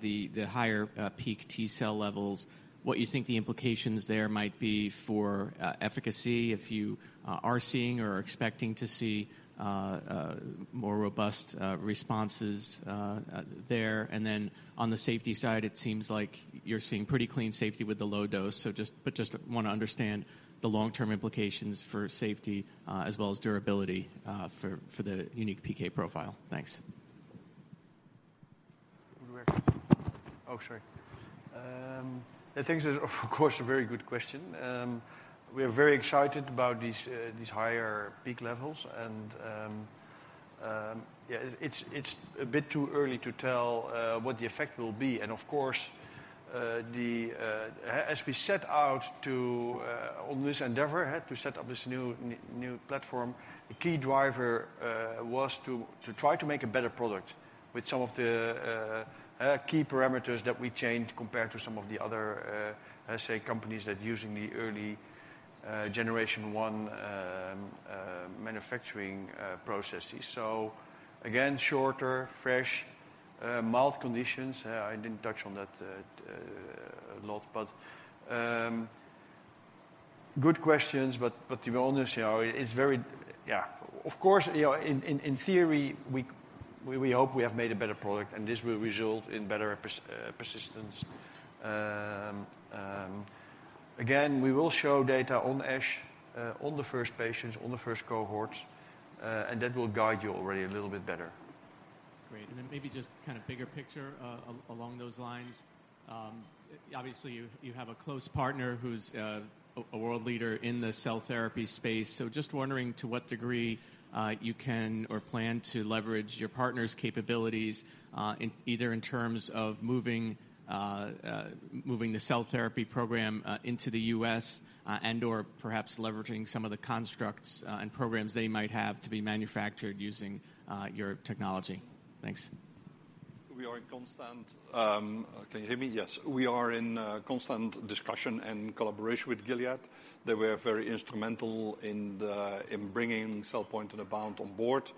the higher peak T cell levels, what you think the implications there might be for efficacy if you are seeing or are expecting to see more robust responses there. On the safety side, it seems like you're seeing pretty clean safety with the low dose. Just wanna understand the long-term implications for safety as well as durability for the unique PK profile. Thanks. Good work. Oh, sorry. I think this is of course a very good question. We are very excited about these higher peak levels and, yeah, it's a bit too early to tell what the effect will be. Of course, as we set out to on this endeavor, had to set up this new new platform, the key driver was to try to make a better product with some of the key parameters that we changed compared to some of the other. I say companies that using the early generation one manufacturing processes. Again, shorter, fresh, mild conditions. I didn't touch on that a lot, but good questions, but to be honest, you know. Yeah. Of course, you know, in theory, we hope we have made a better product and this will result in better persistence. Again, we will show data on ASH on the first patients, on the first cohorts, and that will guide you already a little bit better. Great. Maybe just kind of bigger picture, along those lines. Obviously, you have a close partner who's a world leader in the cell therapy space. Just wondering to what degree you can or plan to leverage your partner's capabilities in terms of moving the cell therapy program into the US and/or perhaps leveraging some of the constructs and programs they might have to be manufactured using your technology. Thanks. We are in constant discussion and collaboration with Gilead. They were very instrumental in bringing CellPoint and AboundBio on board.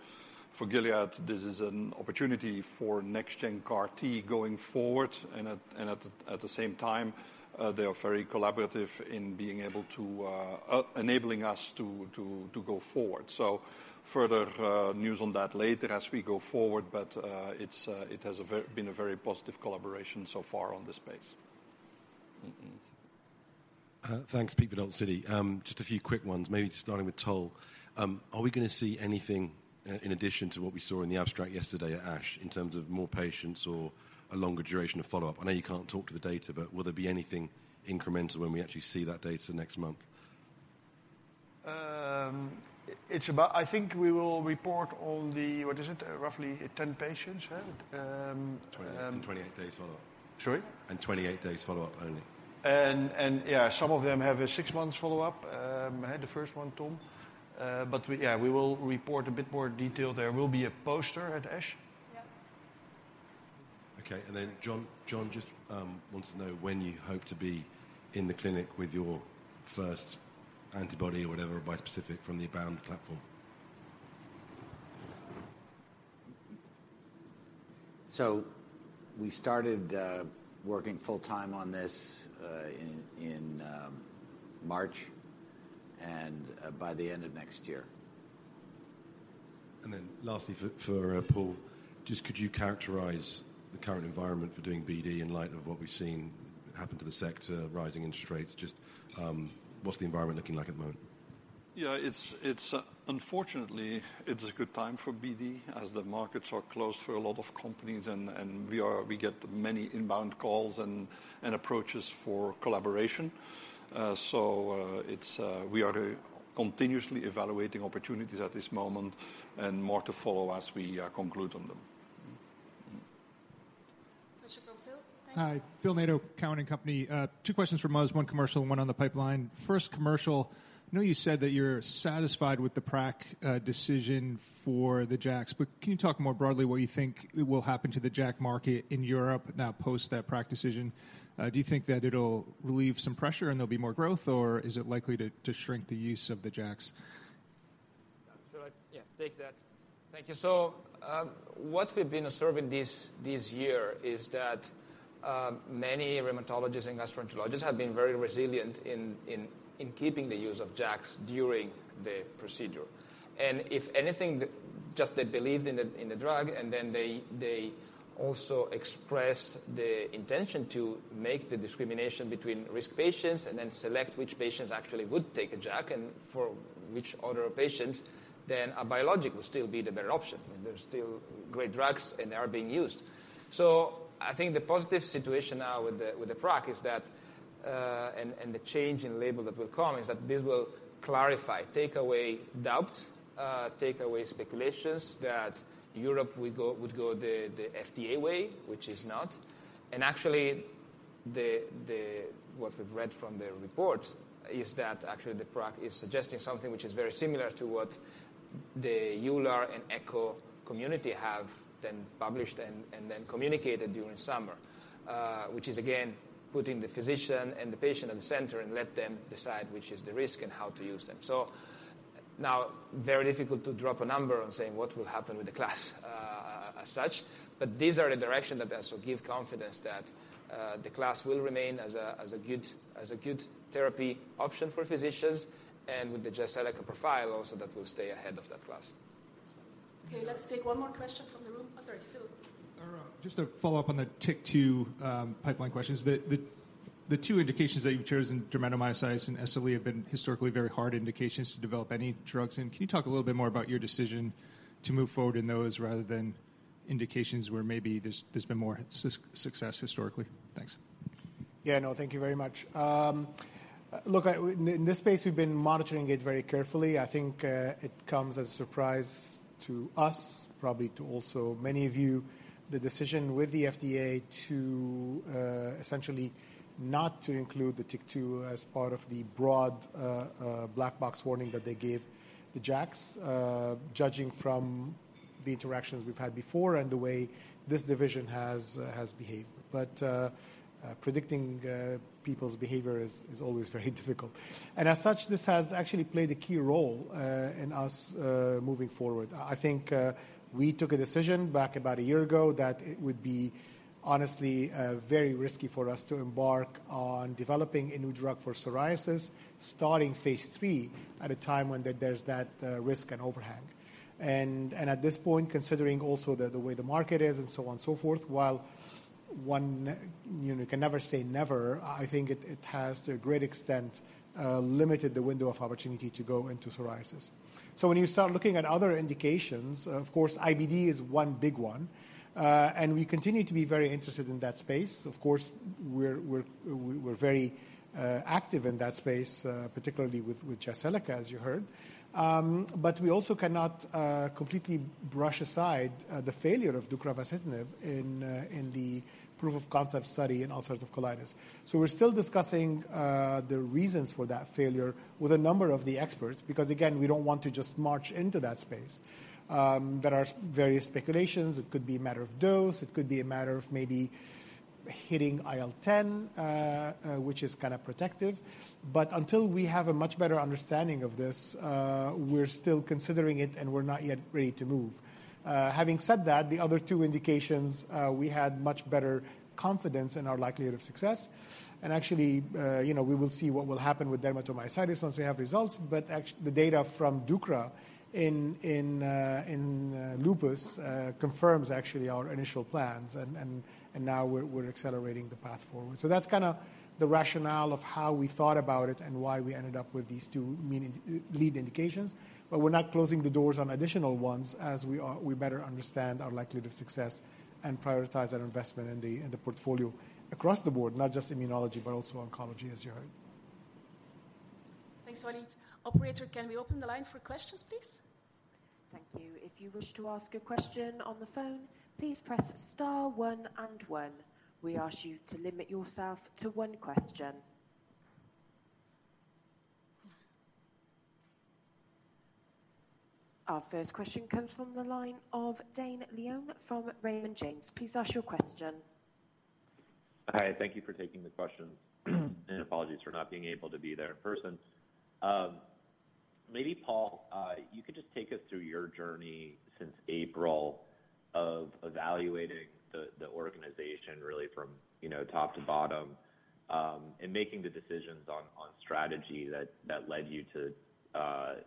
For Gilead, this is an opportunity for next gen CAR T going forward and at the same time, they are very collaborative in being able to enable us to go forward. Further news on that later as we go forward, but it has been a very positive collaboration so far on this space. Thanks. Pete with Citi. Just a few quick ones, maybe just starting with Tol. Are we gonna see anything in addition to what we saw in the abstract yesterday at ASH in terms of more patients or a longer duration of follow-up? I know you can't talk to the data, but will there be anything incremental when we actually see that data next month? I think we will report on roughly 10 patients, yeah? 28. 28 days follow-up. Sorry? 28 days follow-up only. Yeah, some of them have a six months follow-up, had the first one, Tom. Yeah, we will report a bit more detail. There will be a poster at ASH. Yeah. Okay. John just wants to know when you hope to be in the clinic with your first antibody or whatever bispecific from the AboundBio platform. We started working full time on this in March and by the end of next year. Lastly for Paul, just could you characterize the current environment for doing BD in light of what we've seen happen to the sector, rising interest rates, just, what's the environment looking like at the moment? Yeah. It's unfortunately a good time for BD as the markets are closed for a lot of companies, and we get many inbound calls and approaches for collaboration. We are continuously evaluating opportunities at this moment, and more to follow as we conclude on them. Question from Phil. Thanks. Hi. Philip Nadeau, Cowen and Company. Two questions from us, one commercial and one on the pipeline. First, commercial. I know you said that you're satisfied with the PRAC decision for the JAKs, but can you talk more broadly about what you think will happen to the JAK market in Europe now post that PRAC decision? Do you think that it'll relieve some pressure and there'll be more growth, or is it likely to shrink the use of the JAKs? Should I- Yeah. Take that. Thank you. What we've been observing this year is that many rheumatologists and gastroenterologists have been very resilient in keeping the use of JAKs during the procedure. If anything, just they believed in the drug, and they also expressed the intention to make the distinction between risk patients and then select which patients actually would take a JAK and for which other patients, then a biologic would still be the better option. I mean, they're still great drugs, and they are being used. I think the positive situation now with the PRAC is that the change in label that will come is that this will clarify, take away doubts, take away speculations that Europe would go the FDA way, which is not. What we've read from the report is that actually the PRAC is suggesting something which is very similar to what the EULAR and ECCO community have then published and then communicated during summer. Which is again, putting the physician and the patient in the center and let them decide which is the risk and how to use them. Now very difficult to drop a number on saying what will happen with the class, as such, but these are the direction that also give confidence that, the class will remain as a good therapy option for physicians and with the Jyseleca profile also that will stay ahead of that class. Okay, let's take one more question from the room. Oh, sorry, Phil. No, no. Just to follow up on the TIC-2 pipeline questions. The two indications that you've chosen, dermatomyositis and SLE, have been historically very hard indications to develop any drugs in. Can you talk a little bit more about your decision to move forward in those rather than indications where maybe there's been more success historically? Thanks. Yeah, no, thank you very much. Look, in this space, we've been monitoring it very carefully. I think it comes as a surprise to us, probably to also many of you, the decision with the FDA to essentially not to include the TYK2 as part of the broad black box warning that they gave the JAKs. Judging from- The interactions we've had before and the way this division has behaved. Predicting people's behavior is always very difficult. As such, this has actually played a key role in us moving forward. I think we took a decision back about a year ago that it would be honestly very risky for us to embark on developing a new drug for psoriasis, starting phase III at a time when there's that risk and overhang. At this point, considering also the way the market is and so on and so forth, while one, you know, can never say never, I think it has to a great extent limited the window of opportunity to go into psoriasis. When you start looking at other indications, of course, IBD is one big one. We continue to be very interested in that space. Of course, we're very active in that space, particularly with Jyseleca, as you heard. We also cannot completely brush aside the failure of deucravacitinib in the proof of concept study in ulcerative colitis. We're still discussing the reasons for that failure with a number of the experts, because again, we don't want to just march into that space. There are various speculations. It could be a matter of dose, it could be a matter of maybe hitting IL-10, which is kinda protective. Until we have a much better understanding of this, we're still considering it, and we're not yet ready to move. Having said that, the other two indications, we had much better confidence in our likelihood of success. Actually, you know, we will see what will happen with dermatomyositis once we have results, but the data from deucra in lupus confirms actually our initial plans and now we're accelerating the path forward. That's kinda the rationale of how we thought about it and why we ended up with these two main lead indications, but we're not closing the doors on additional ones as we better understand our likelihood of success and prioritize our investment in the portfolio across the board, not just immunology, but also oncology, as you heard. Thanks, Walid. Operator, can we open the line for questions, please? Thank you. If you wish to ask a question on the phone, please press star one and one. We ask you to limit yourself to one question. Our first question comes from the line of Dane Leone from Raymond James. Please ask your question. Hi, thank you for taking the question, and apologies for not being able to be there in person. Maybe, Paul, you could just take us through your journey since April of evaluating the organization really from, you know, top to bottom, and making the decisions on strategy that led you to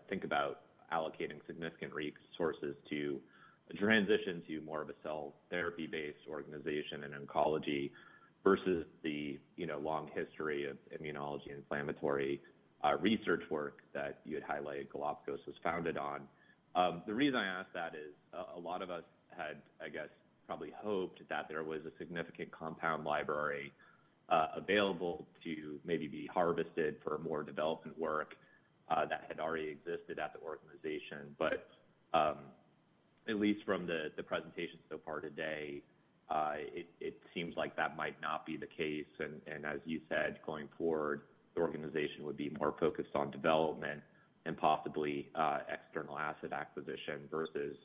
think about allocating significant resources to transition to more of a cell therapy-based organization in oncology versus the, you know, long history of immunology and inflammatory research work that you had highlighted Galapagos was founded on. The reason I ask that is a lot of us had, I guess, probably hoped that there was a significant compound library available to maybe be harvested for more development work that had already existed at the organization. At least from the presentation so far today, it seems like that might not be the case and as you said, going forward, the organization would be more focused on development and possibly external asset acquisition versus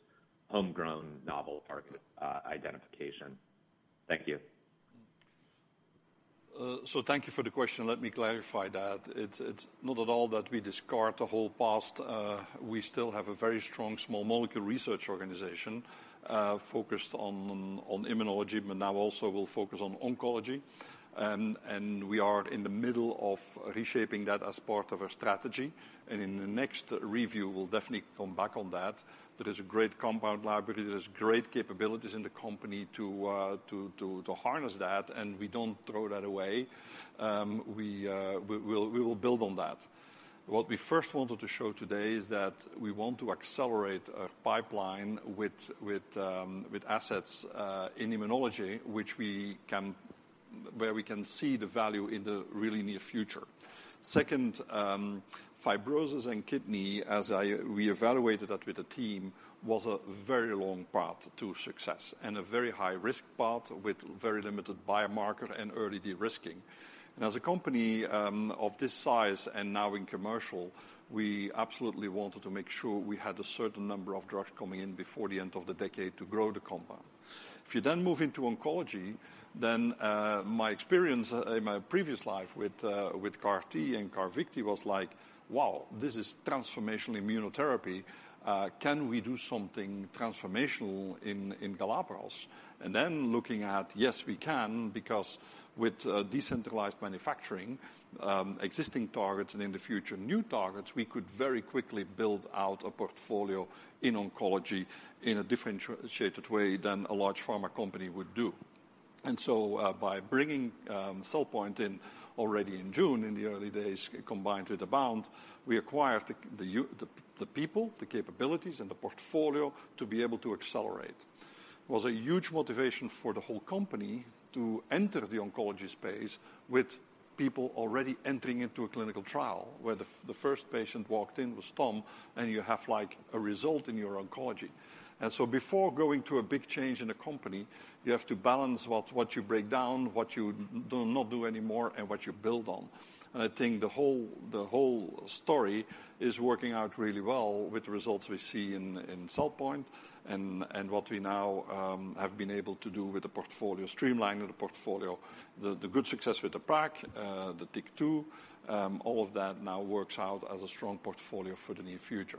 homegrown novel target identification. Thank you. Thank you for the question. Let me clarify that. It's not at all that we discard the whole past. We still have a very strong small molecule research organization, focused on immunology, but now also will focus on oncology. We are in the middle of reshaping that as part of our strategy. In the next review, we'll definitely come back on that. There is a great compound library. There's great capabilities in the company to harness that, and we don't throw that away. We will build on that. What we first wanted to show today is that we want to accelerate our pipeline with assets in immunology, where we can see the value in the really near future. Second, fibrosis and kidney, as I We evaluated that with the team, was a very long path to success and a very high-risk path with very limited biomarker and early de-risking. As a company of this size and now in commercial, we absolutely wanted to make sure we had a certain number of drugs coming in before the end of the decade to grow the company. If you then move into oncology, my experience in my previous life with CAR T and CARVYKTI was like, "Wow, this is transformational immunotherapy. Can we do something transformational in Galapagos?" Looking at, yes, we can, because with decentralized manufacturing, existing targets, and in the future, new targets, we could very quickly build out a portfolio in oncology in a differentiated way than a large pharma company would do. By bringing CellPoint in already in June in the early days, combined with Abound, we acquired the people, the capabilities, and the portfolio to be able to accelerate. It was a huge motivation for the whole company to enter the oncology space with people already entering into a clinical trial, where the first patient walked in was Tom, and you have, like, a result in your oncology. Before going to a big change in a company, you have to balance what you break down, what you do not do anymore, and what you build on. I think the whole story is working out really well with the results we see in CellPoint and what we now have been able to do with the portfolio, streamlining the portfolio. The good success with the PAC, the TYK2, all of that now works out as a strong portfolio for the near future.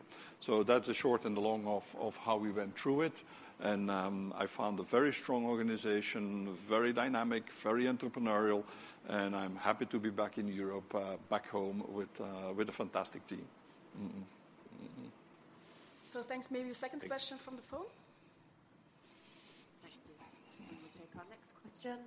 That's the short and the long of how we went through it. I found a very strong organization, very dynamic, very entrepreneurial, and I'm happy to be back in Europe, back home with a fantastic team. Thanks. Maybe a second question from the phone. Thank you. We will take our next question.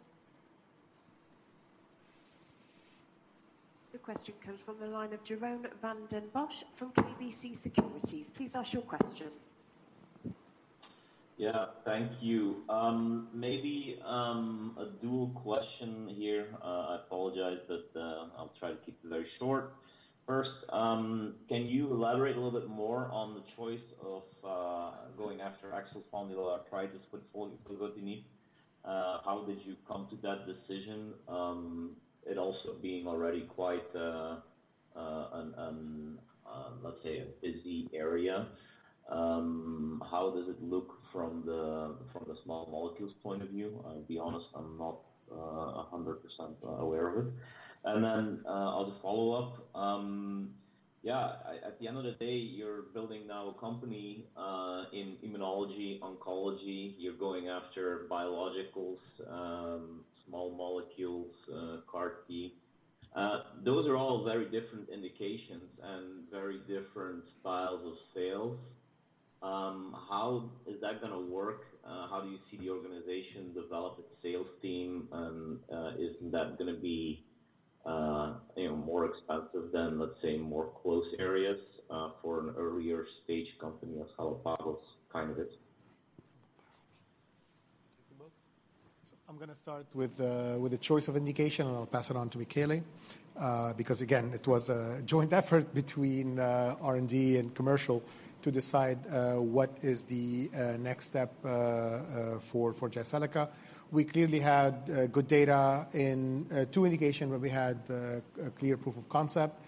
The question comes from the line of Jeroen Van den Bossche from KBC Securities. Please ask your question. Yeah, thank you. Maybe a dual question here. I apologize, but I'll try to keep it very short. First, can you elaborate a little bit more on the choice of going after axial spondyloarthritis portfolio, Cosentyx? How did you come to that decision? It also being already quite a busy area. How does it look from the small molecules point of view? I'll be honest, I'm not 100% aware of it. I'll just follow up. Yeah, at the end of the day, you're building now a company in immunology, oncology. You're going after biologicals, small molecules, CAR-T. Those are all very different indications and very different styles of sales. How is that gonna work? How do you see the organization develop its sales team? Isn't that gonna be, you know, more expensive than, let's say, M&A areas, for an earlier stage company as Galapagos kind of is? I'm gonna start with the choice of indication, and I'll pass it on to Michele. Because again, it was a joint effort between R&D and commercial to decide what is the next step for Jyseleca. We clearly had good data in two indication where we had a clear proof of concept,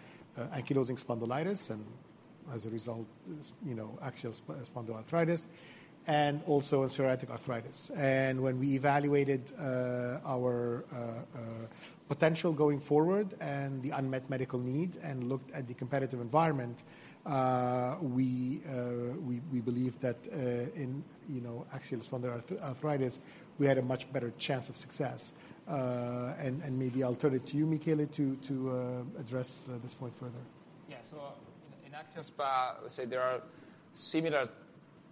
ankylosing spondylitis, and as a result, you know, axial spondyloarthritis, and also in psoriatic arthritis. When we evaluated our potential going forward and the unmet medical need and looked at the competitive environment, we believe that in, you know, axial spondyloarthritis, we had a much better chance of success. Maybe I'll turn it to you, Michele, to address this point further. Yeah. In axSpA, let's say there are similar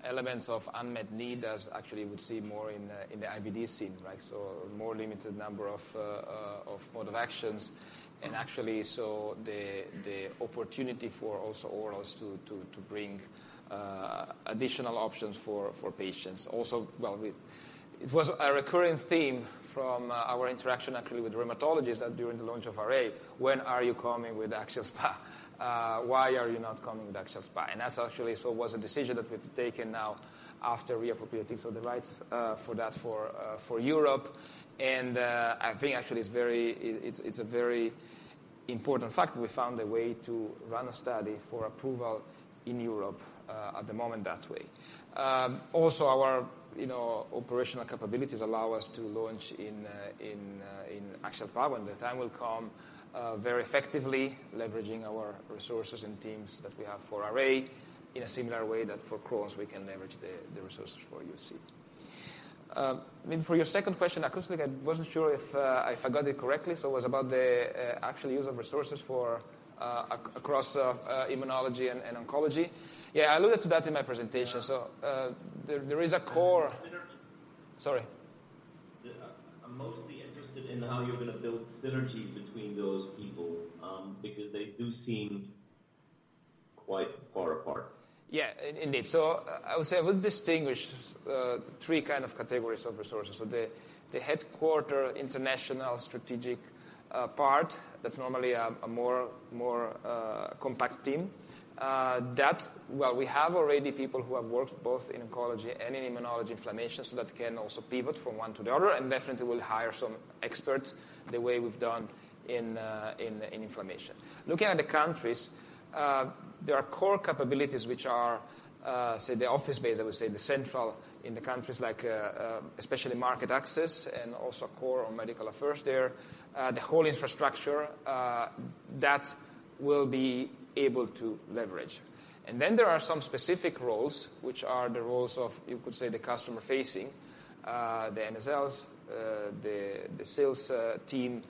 elements of unmet need as actually we see more in the IBD scene, right? More limited number of modes of action. Actually, the opportunity for also orals to bring additional options for patients also. It was a recurring theme from our interaction actually with rheumatologists that during the launch of RA, "When are you coming with axSpA? Why are you not coming with axSpA?" That's actually was a decision that we've taken now after re-acquiring the rights for Europe. I think actually it's very important fact that we found a way to run a study for approval in Europe at the moment that way. Also our, you know, operational capabilities allow us to launch in axSpA, when the time will come, very effectively leveraging our resources and teams that we have for RA in a similar way that for Crohn's we can leverage the resources for UC. I mean, for your second question, actually I wasn't sure if I got it correctly. It was about the actual use of resources for across immunology and oncology. Yeah, I alluded to that in my presentation. Yeah. There is a core. Synergy. Sorry. I'm mostly interested in how you're gonna build synergies between those people, because they do seem quite far apart. Yeah, indeed. I would say I would distinguish three kind of categories of resources. The headquarters international strategic part, that's normally a more compact team that well, we have already people who have worked both in oncology and in immunology inflammation, so that can also pivot from one to the other, and definitely we'll hire some experts the way we've done in inflammation. Looking at the countries, there are core capabilities which are say the office base, I would say the central in the countries like especially market access and also core or medical affairs there. The whole infrastructure that will be able to leverage. Then there are some specific roles, which are the roles of, you could say, the customer-facing the MSLs the sales team.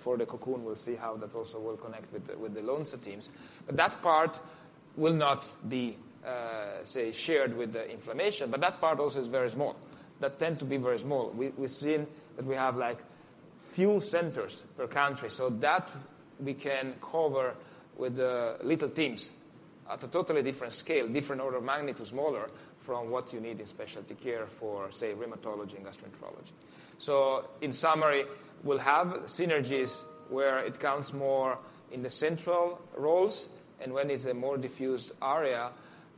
For the Cocoon, we'll see how that also will connect with the Lonza teams. That part will not be, say, shared with the inflammation, but that part also is very small. That tend to be very small. We've seen that we have like few centers per country, so that we can cover with little teams at a totally different scale, different order of magnitude, smaller from what you need in specialty care for, say, rheumatology and gastroenterology. In summary, we'll have synergies where it counts more in the central roles, and when it's a more diffused area,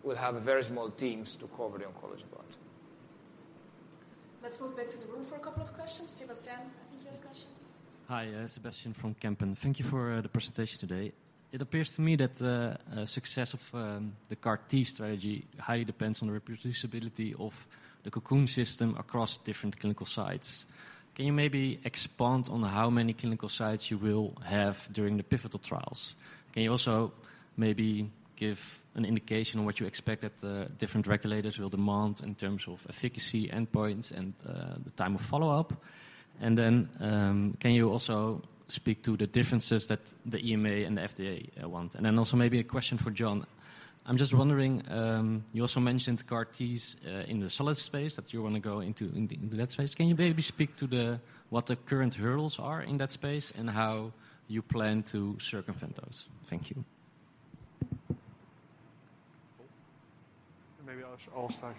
we'll have very small teams to cover the oncology part. Let's move back to the room for a couple of questions. Sebastian, I think you had a question. Hi, Sebastian from Kempen. Thank you for the presentation today. It appears to me that the success of the CAR T strategy highly depends on the reproducibility of the Cocoon system across different clinical sites. Can you maybe expand on how many clinical sites you will have during the pivotal trials? Can you also maybe give an indication on what you expect that the different regulators will demand in terms of efficacy, endpoints, and the time of follow-up? Can you also speak to the differences that the EMA and the FDA want? Then also maybe a question for John. I'm just wondering, you also mentioned CAR Ts in the solid space, that you wanna go into that space. Can you maybe speak to the... What the current hurdles are in that space and how you plan to circumvent those? Thank you. Maybe I'll start,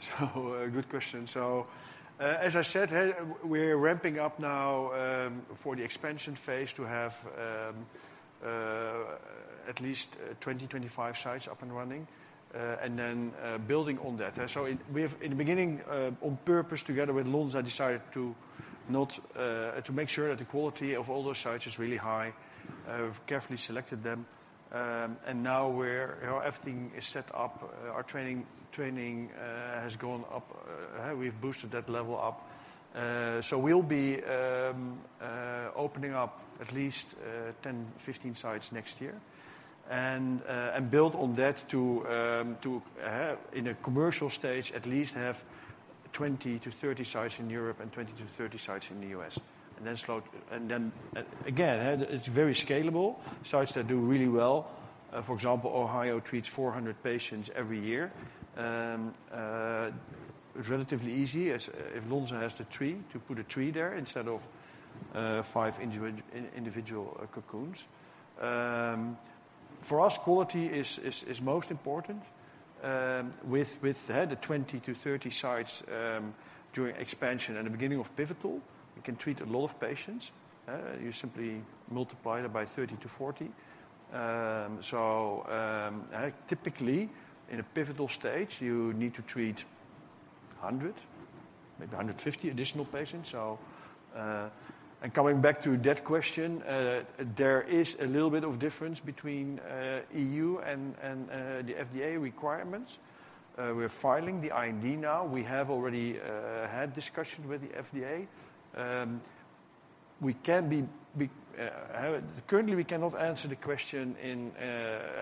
yeah. Good question. As I said, we're ramping up now for the expansion phase to have at least 20-25 sites up and running, and then building on that. In the beginning, on purpose, together with Lonza, decided to not to make sure that the quality of all those sites is really high. We've carefully selected them, and now everything is set up. Our training has gone up, we've boosted that level up. We'll be opening up at least 10-15 sites next year and build on that to, in a commercial stage, at least have 20-30 sites in Europe and 20-30 sites in the US. Again, it's very scalable. Sites that do really well, for example, Ohio treats 400 patients every year. Relatively easy, as if Lonza has the three, to put a three there instead of five individual Cocoons. For us, quality is most important. With the 20-30 sites, during expansion and the beginning of pivotal, you can treat a lot of patients. You simply multiply that by 30-40. Typically in a pivotal stage, you need to treat 100, maybe 150 additional patients. Coming back to that question, there is a little bit of difference between EU and the FDA requirements. We're filing the IND now. We have already had discussions with the FDA. Currently, we cannot answer the question in.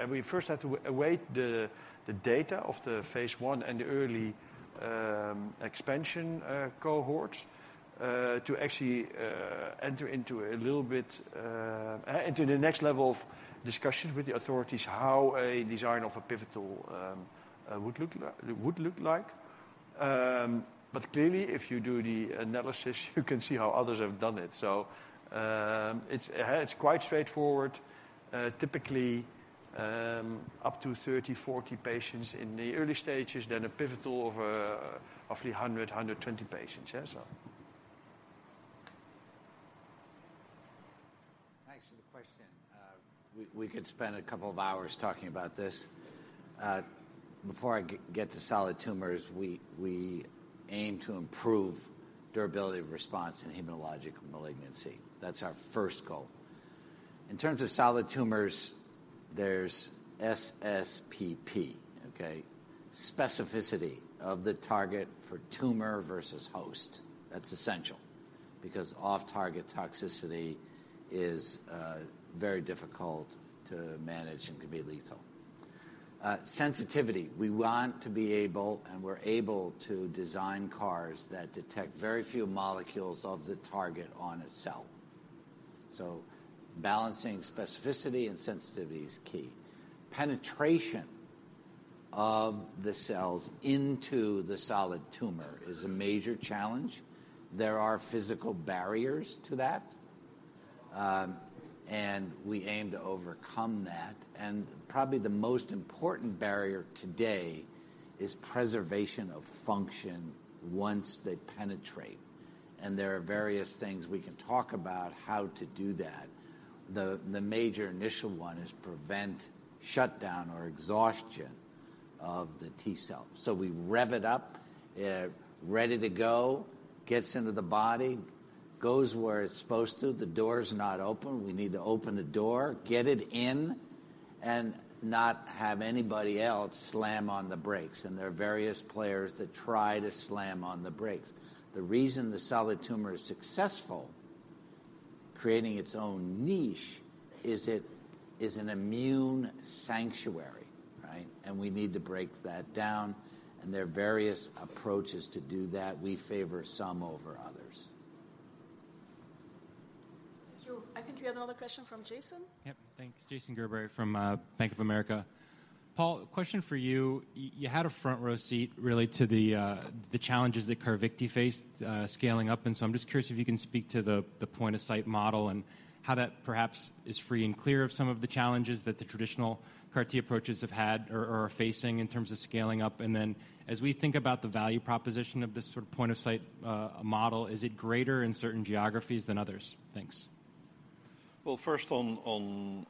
We first have to await the data of the phase I and the early expansion cohorts to actually enter into the next level of discussions with the authorities, how a design of a pivotal would look like. Clearly, if you do the analysis, you can see how others have done it. It's quite straightforward. Typically, up to 30-40 patients in the early stages, then a pivotal of roughly 120 patients. Thanks for the question. We could spend a couple of hours talking about this. Before I get to solid tumors, we aim to improve durability of response in hematologic malignancy. That's our first goal. In terms of solid tumors, there's SSPP, okay? Specificity of the target for tumor versus host. That's essential because off-target toxicity is very difficult to manage and can be lethal. Sensitivity. We want to be able, and we're able to design CARs that detect very few molecules of the target on a cell. So balancing specificity and sensitivity is key. Penetration of the cells into the solid tumor is a major challenge. There are physical barriers to that, and we aim to overcome that. Probably the most important barrier today is preservation of function once they penetrate. There are various things we can talk about how to do that. The major initial one is prevent shutdown or exhaustion of the T-cell. We rev it up, ready to go, gets into the body, goes where it's supposed to. The door's not open, we need to open the door, get it in, and not have anybody else slam on the brakes. There are various players that try to slam on the brakes. The reason the solid tumor is successful creating its own niche is it is an immune sanctuary, right? We need to break that down, and there are various approaches to do that. We favor some over others. Thank you. I think we had another question from Jason. Yep. Thanks. Jason Gerberry from Bank of America. Paul, a question for you. You had a front row seat really to the challenges that CARVYKTI faced scaling up, and so I'm just curious if you can speak to the point-of-care model and how that perhaps is free and clear of some of the challenges that the traditional CAR T approaches have had or are facing in terms of scaling up. Then as we think about the value proposition of this sort of point-of-care model, is it greater in certain geographies than others? Thanks. Well, first on all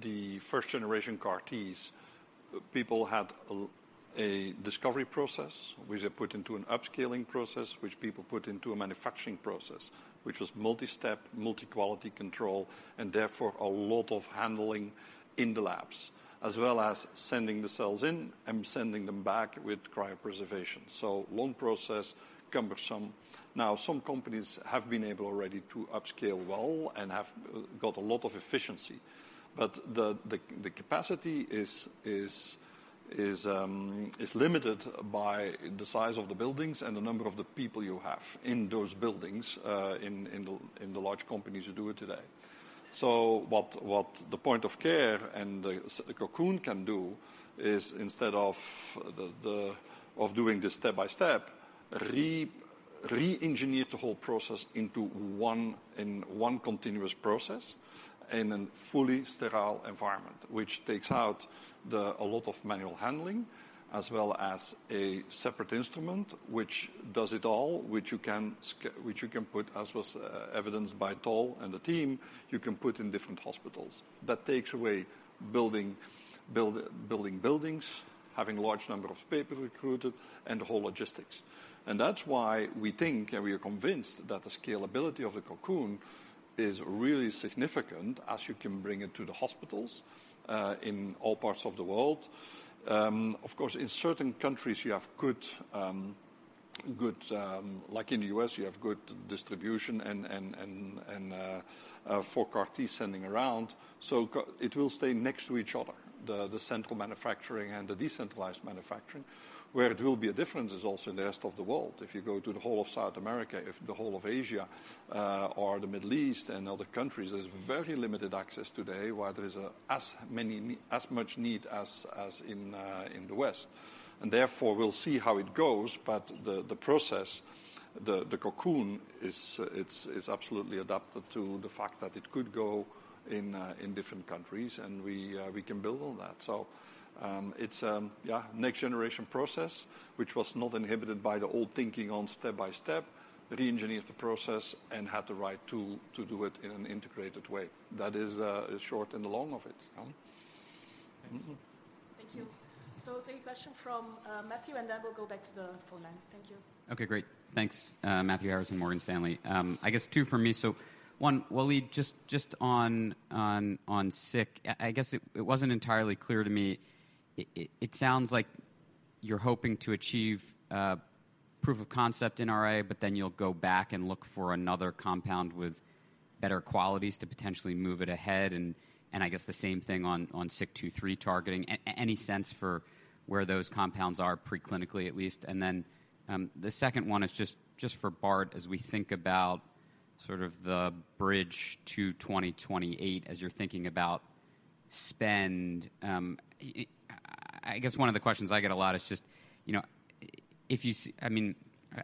the first generation CAR Ts, people had a discovery process, which they put into an upscaling process, which people put into a manufacturing process, which was multi-step, multi quality control, and therefore a lot of handling in the labs, as well as sending the cells in and sending them back with cryopreservation. Long process, cumbersome. Now, some companies have been able already to upscale well and have got a lot of efficiency, but the capacity is limited by the size of the buildings and the number of the people you have in those buildings, in the large companies who do it today. What the point of care and the Cocoon can do is instead of the. of doing this step-by-step, re-engineer the whole process into one continuous process in a fully sterile environment, which takes out a lot of manual handling, as well as a separate instrument which does it all, which you can put as was evidenced by Tolleiv and the team, you can put in different hospitals. That takes away building buildings, having large number of people recruited, and the whole logistics. That's why we think, and we are convinced, that the scalability of the Cocoon is really significant as you can bring it to the hospitals in all parts of the world. Of course, in certain countries you have good, like in the U.S., you have good distribution and for CAR T sending around. It will stay next to each other, the central manufacturing and the decentralized manufacturing. Where it will be a difference is also in the rest of the world. If you go to the whole of South America, if the whole of Asia, or the Middle East and other countries, there's very limited access today, while there is as much need as in the West, and therefore we'll see how it goes. The process, the Cocoon, is absolutely adapted to the fact that it could go in different countries and we can build on that. It's next generation process, which was not inhibited by the old thinking on step-by-step, re-engineered the process and had the right tool to do it in an integrated way. That is, short and the long of it. Thanks. Thank you. We'll take a question from Matthew, and then we'll go back to the phone line. Thank you. Okay, great. Thanks. Matthew Harrison, Morgan Stanley. I guess two from me. One, Walid, just on SIK, I guess it sounds like you're hoping to achieve proof of concept in RA, but then you'll go back and look for another compound with better qualities to potentially move it ahead and I guess the same thing on SIK2/3 targeting. Any sense for where those compounds are pre-clinically, at least? And then, the second one is just for Bart, as we think about sort of the bridge to 2028, as you're thinking about spend, it... I guess one of the questions I get a lot is just, you know, I mean,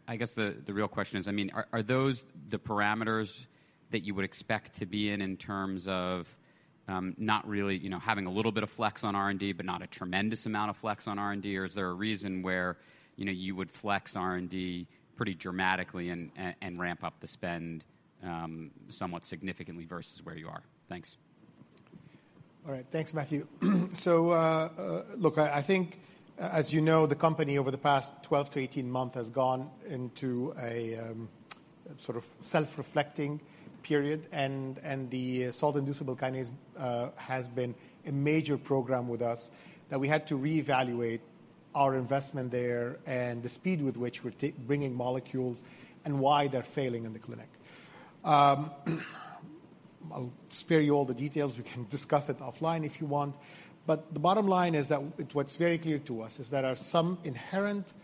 I guess the real question is, I mean, are those the parameters that you would expect to be in in terms of not really, you know, having a little bit of flex on R&D, but not a tremendous amount of flex on R&D? Or is there a reason where, you know, you would flex R&D pretty dramatically and ramp up the spend somewhat significantly versus where you are? Thanks. All right. Thanks, Matthew. Look, I think as you know, the company over the past 12-18 months has gone into a sort of self-reflecting period and the salt-inducible kinase has been a major program with us that we had to reevaluate our investment there and the speed with which we're bringing molecules and why they're failing in the clinic. I'll spare you all the details. We can discuss it offline if you want, but the bottom line is that what's very clear to us is there are some inherent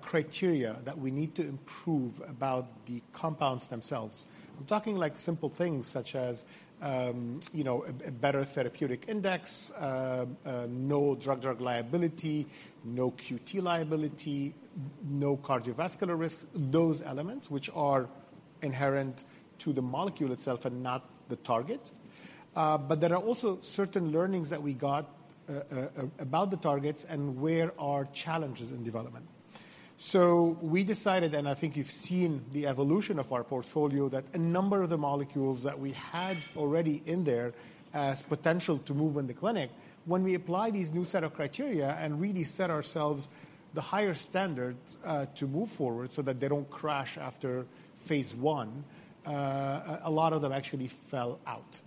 criteria that we need to improve about the compounds themselves. I'm talking like simple things such as, you know, a better therapeutic index, no drug-drug liability, no QT liability, no cardiovascular risk. Those elements which are inherent to the molecule itself and not the target. But there are also certain learnings that we got about the targets and where the challenges are in development. We decided, and I think you've seen the evolution of our portfolio, that a number of the molecules that we had already in there as potential to move in the clinic, when we apply these new set of criteria and really set ourselves the higher standards to move forward so that they don't crash after phase I, a lot of them actually fell out.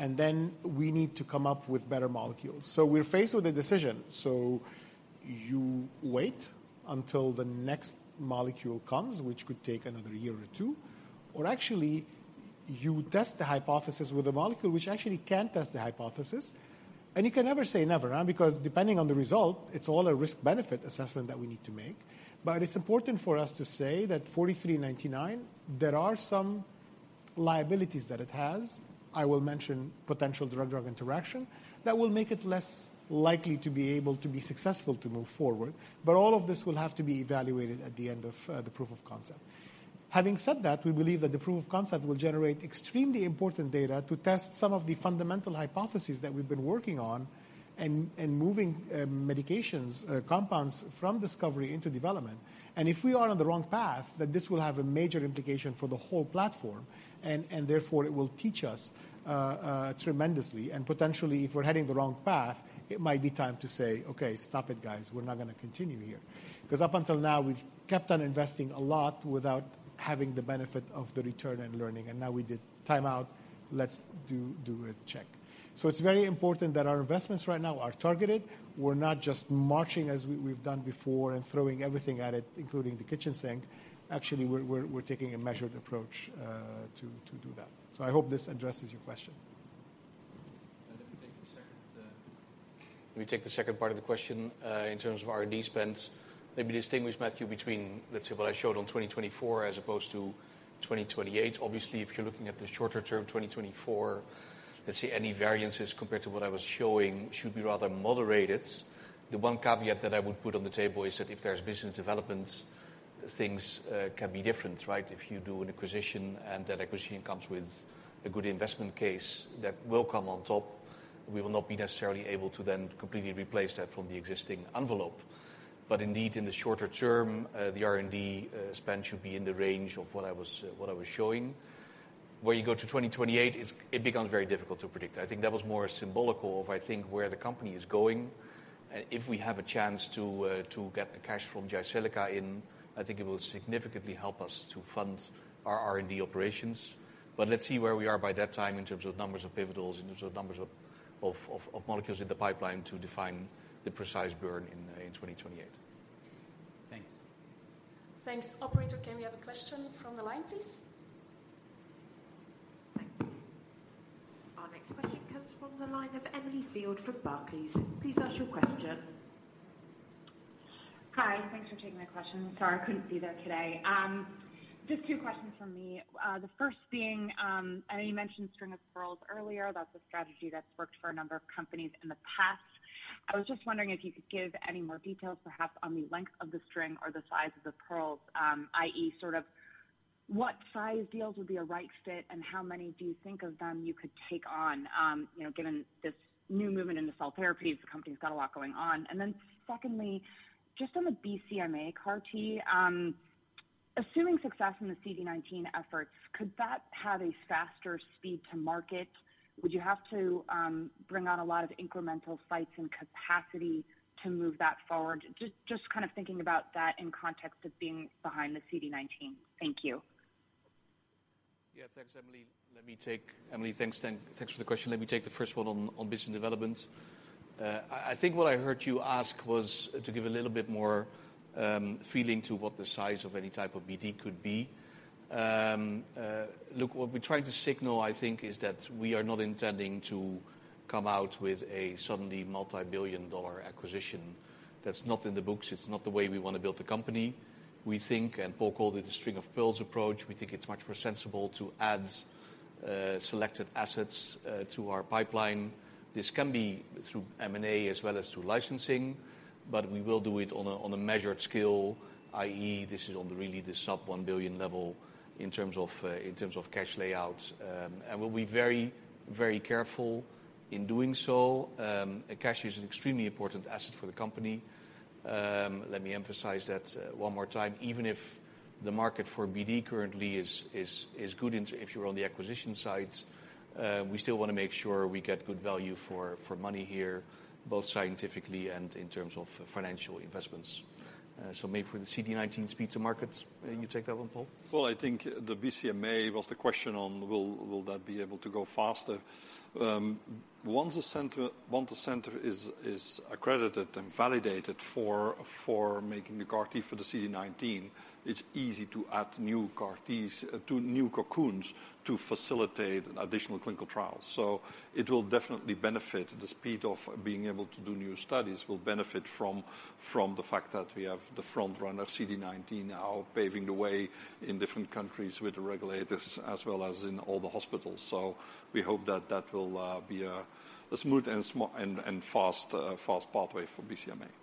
Then we need to come up with better molecules. We're faced with a decision. You wait until the next molecule comes, which could take another year or two, or actually, you test the hypothesis with a molecule which actually can test the hypothesis. You can never say never, because depending on the result, it's all a risk-benefit assessment that we need to make. It's important for us to say that GLPG4399, there are some liabilities that it has. I will mention potential drug-drug interaction that will make it less likely to be able to be successful to move forward. All of this will have to be evaluated at the end of the proof of concept. Having said that, we believe that the proof of concept will generate extremely important data to test some of the fundamental hypotheses that we've been working on and moving medications compounds from discovery into development. If we are on the wrong path, then this will have a major implication for the whole platform, and therefore it will teach us tremendously. Potentially, if we're heading the wrong path, it might be time to say, "Okay, stop it, guys. We're not gonna continue here." Because up until now, we've kept on investing a lot without having the benefit of the return and learning, and now we did time out, let's do a check. It's very important that our investments right now are targeted. We're not just marching as we've done before and throwing everything at it, including the kitchen sink. Actually, we're taking a measured approach to do that. I hope this addresses your question. Let me take the second part of the question in terms of R&D spends. Let me distinguish, Matthew, between, let's say, what I showed on 2024 as opposed to 2028. Obviously, if you're looking at the shorter term, 2024, let's see, any variances compared to what I was showing should be rather moderated. The one caveat that I would put on the table is that if there's business developments, things can be different, right? If you do an acquisition and that acquisition comes with a good investment case that will come on top, we will not be necessarily able to then completely replace that from the existing envelope. Indeed, in the shorter term, the R&D spend should be in the range of what I was showing. Where you go to 2028, it becomes very difficult to predict. I think that was more symbolic of where the company is going. If we have a chance to get the cash from Gilead in, I think it will significantly help us to fund our R&D operations. Let's see where we are by that time in terms of numbers of pivotals, in terms of numbers of molecules in the pipeline to define the precise burn in 2028. Thanks. Thanks. Operator, can we have a question from the line, please? Thank you. Our next question comes from the line of Emily Field from Barclays. Please ask your question. Hi. Thanks for taking my question. Sorry I couldn't be there today. Just two questions from me. The first being, I know you mentioned string of pearls earlier. That's a strategy that's worked for a number of companies in the past. I was just wondering if you could give any more details, perhaps on the length of the string or the size of the pearls, i.e. sort of what size deals would be a right fit and how many do you think of them you could take on, you know, given this new movement into cell therapies? The company's got a lot going on. Then secondly, just on the BCMA CAR T, assuming success in the CD19 efforts, could that have a faster speed to market? Would you have to bring on a lot of incremental sites and capacity to move that forward? Just kind of thinking about that in context of being behind the CD19. Thank you. Yeah, thanks, Emily. Thanks for the question. Let me take the first one on business development. I think what I heard you ask was to give a little bit more feeling to what the size of any type of BD could be. Look, what we're trying to signal, I think, is that we are not intending to come out with a suddenly multi-billion dollar acquisition. That's not in the books. It's not the way we wanna build the company. We think, and Paul called it a string-of-pearls approach, we think it's much more sensible to add selected assets to our pipeline. This can be through M&A as well as through licensing, but we will do it on a measured scale, i.e. This is on the really the sub 1 billion level in terms of cash outlays. We'll be very, very careful in doing so. Cash is an extremely important asset for the company. Let me emphasize that one more time. Even if the market for BD currently is good. If you're on the acquisition side, we still wanna make sure we get good value for money here, both scientifically and in terms of financial investments. Maybe for the CD19 speed to market, can you take that one, Paul? Well, I think the BCMA was the question on will that be able to go faster. Once the center is accredited and validated for making the CAR T for the CD19, it's easy to add new CAR Ts to new Cocoons to facilitate additional clinical trials. It will definitely benefit the speed of being able to do new studies, will benefit from the fact that we have the frontrunner CD19 now paving the way in different countries with the regulators as well as in all the hospitals. We hope that that will be a smooth and fast pathway for BCMA. Thanks.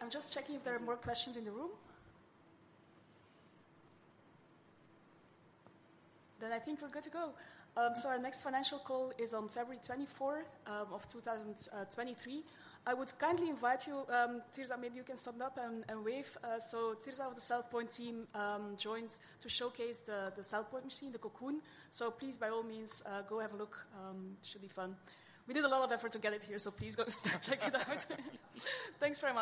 I'm just checking if there are more questions in the room. I think we're good to go. Our next financial call is on February 24, 2023. I would kindly invite you, Tirza, maybe you can stand up and wave. Tirza of the CellPoint team joined to showcase the CellPoint machine, the Cocoon. Please, by all means, go have a look. Should be fun. We did a lot of effort to get it here, so please go check it out. Thanks very much.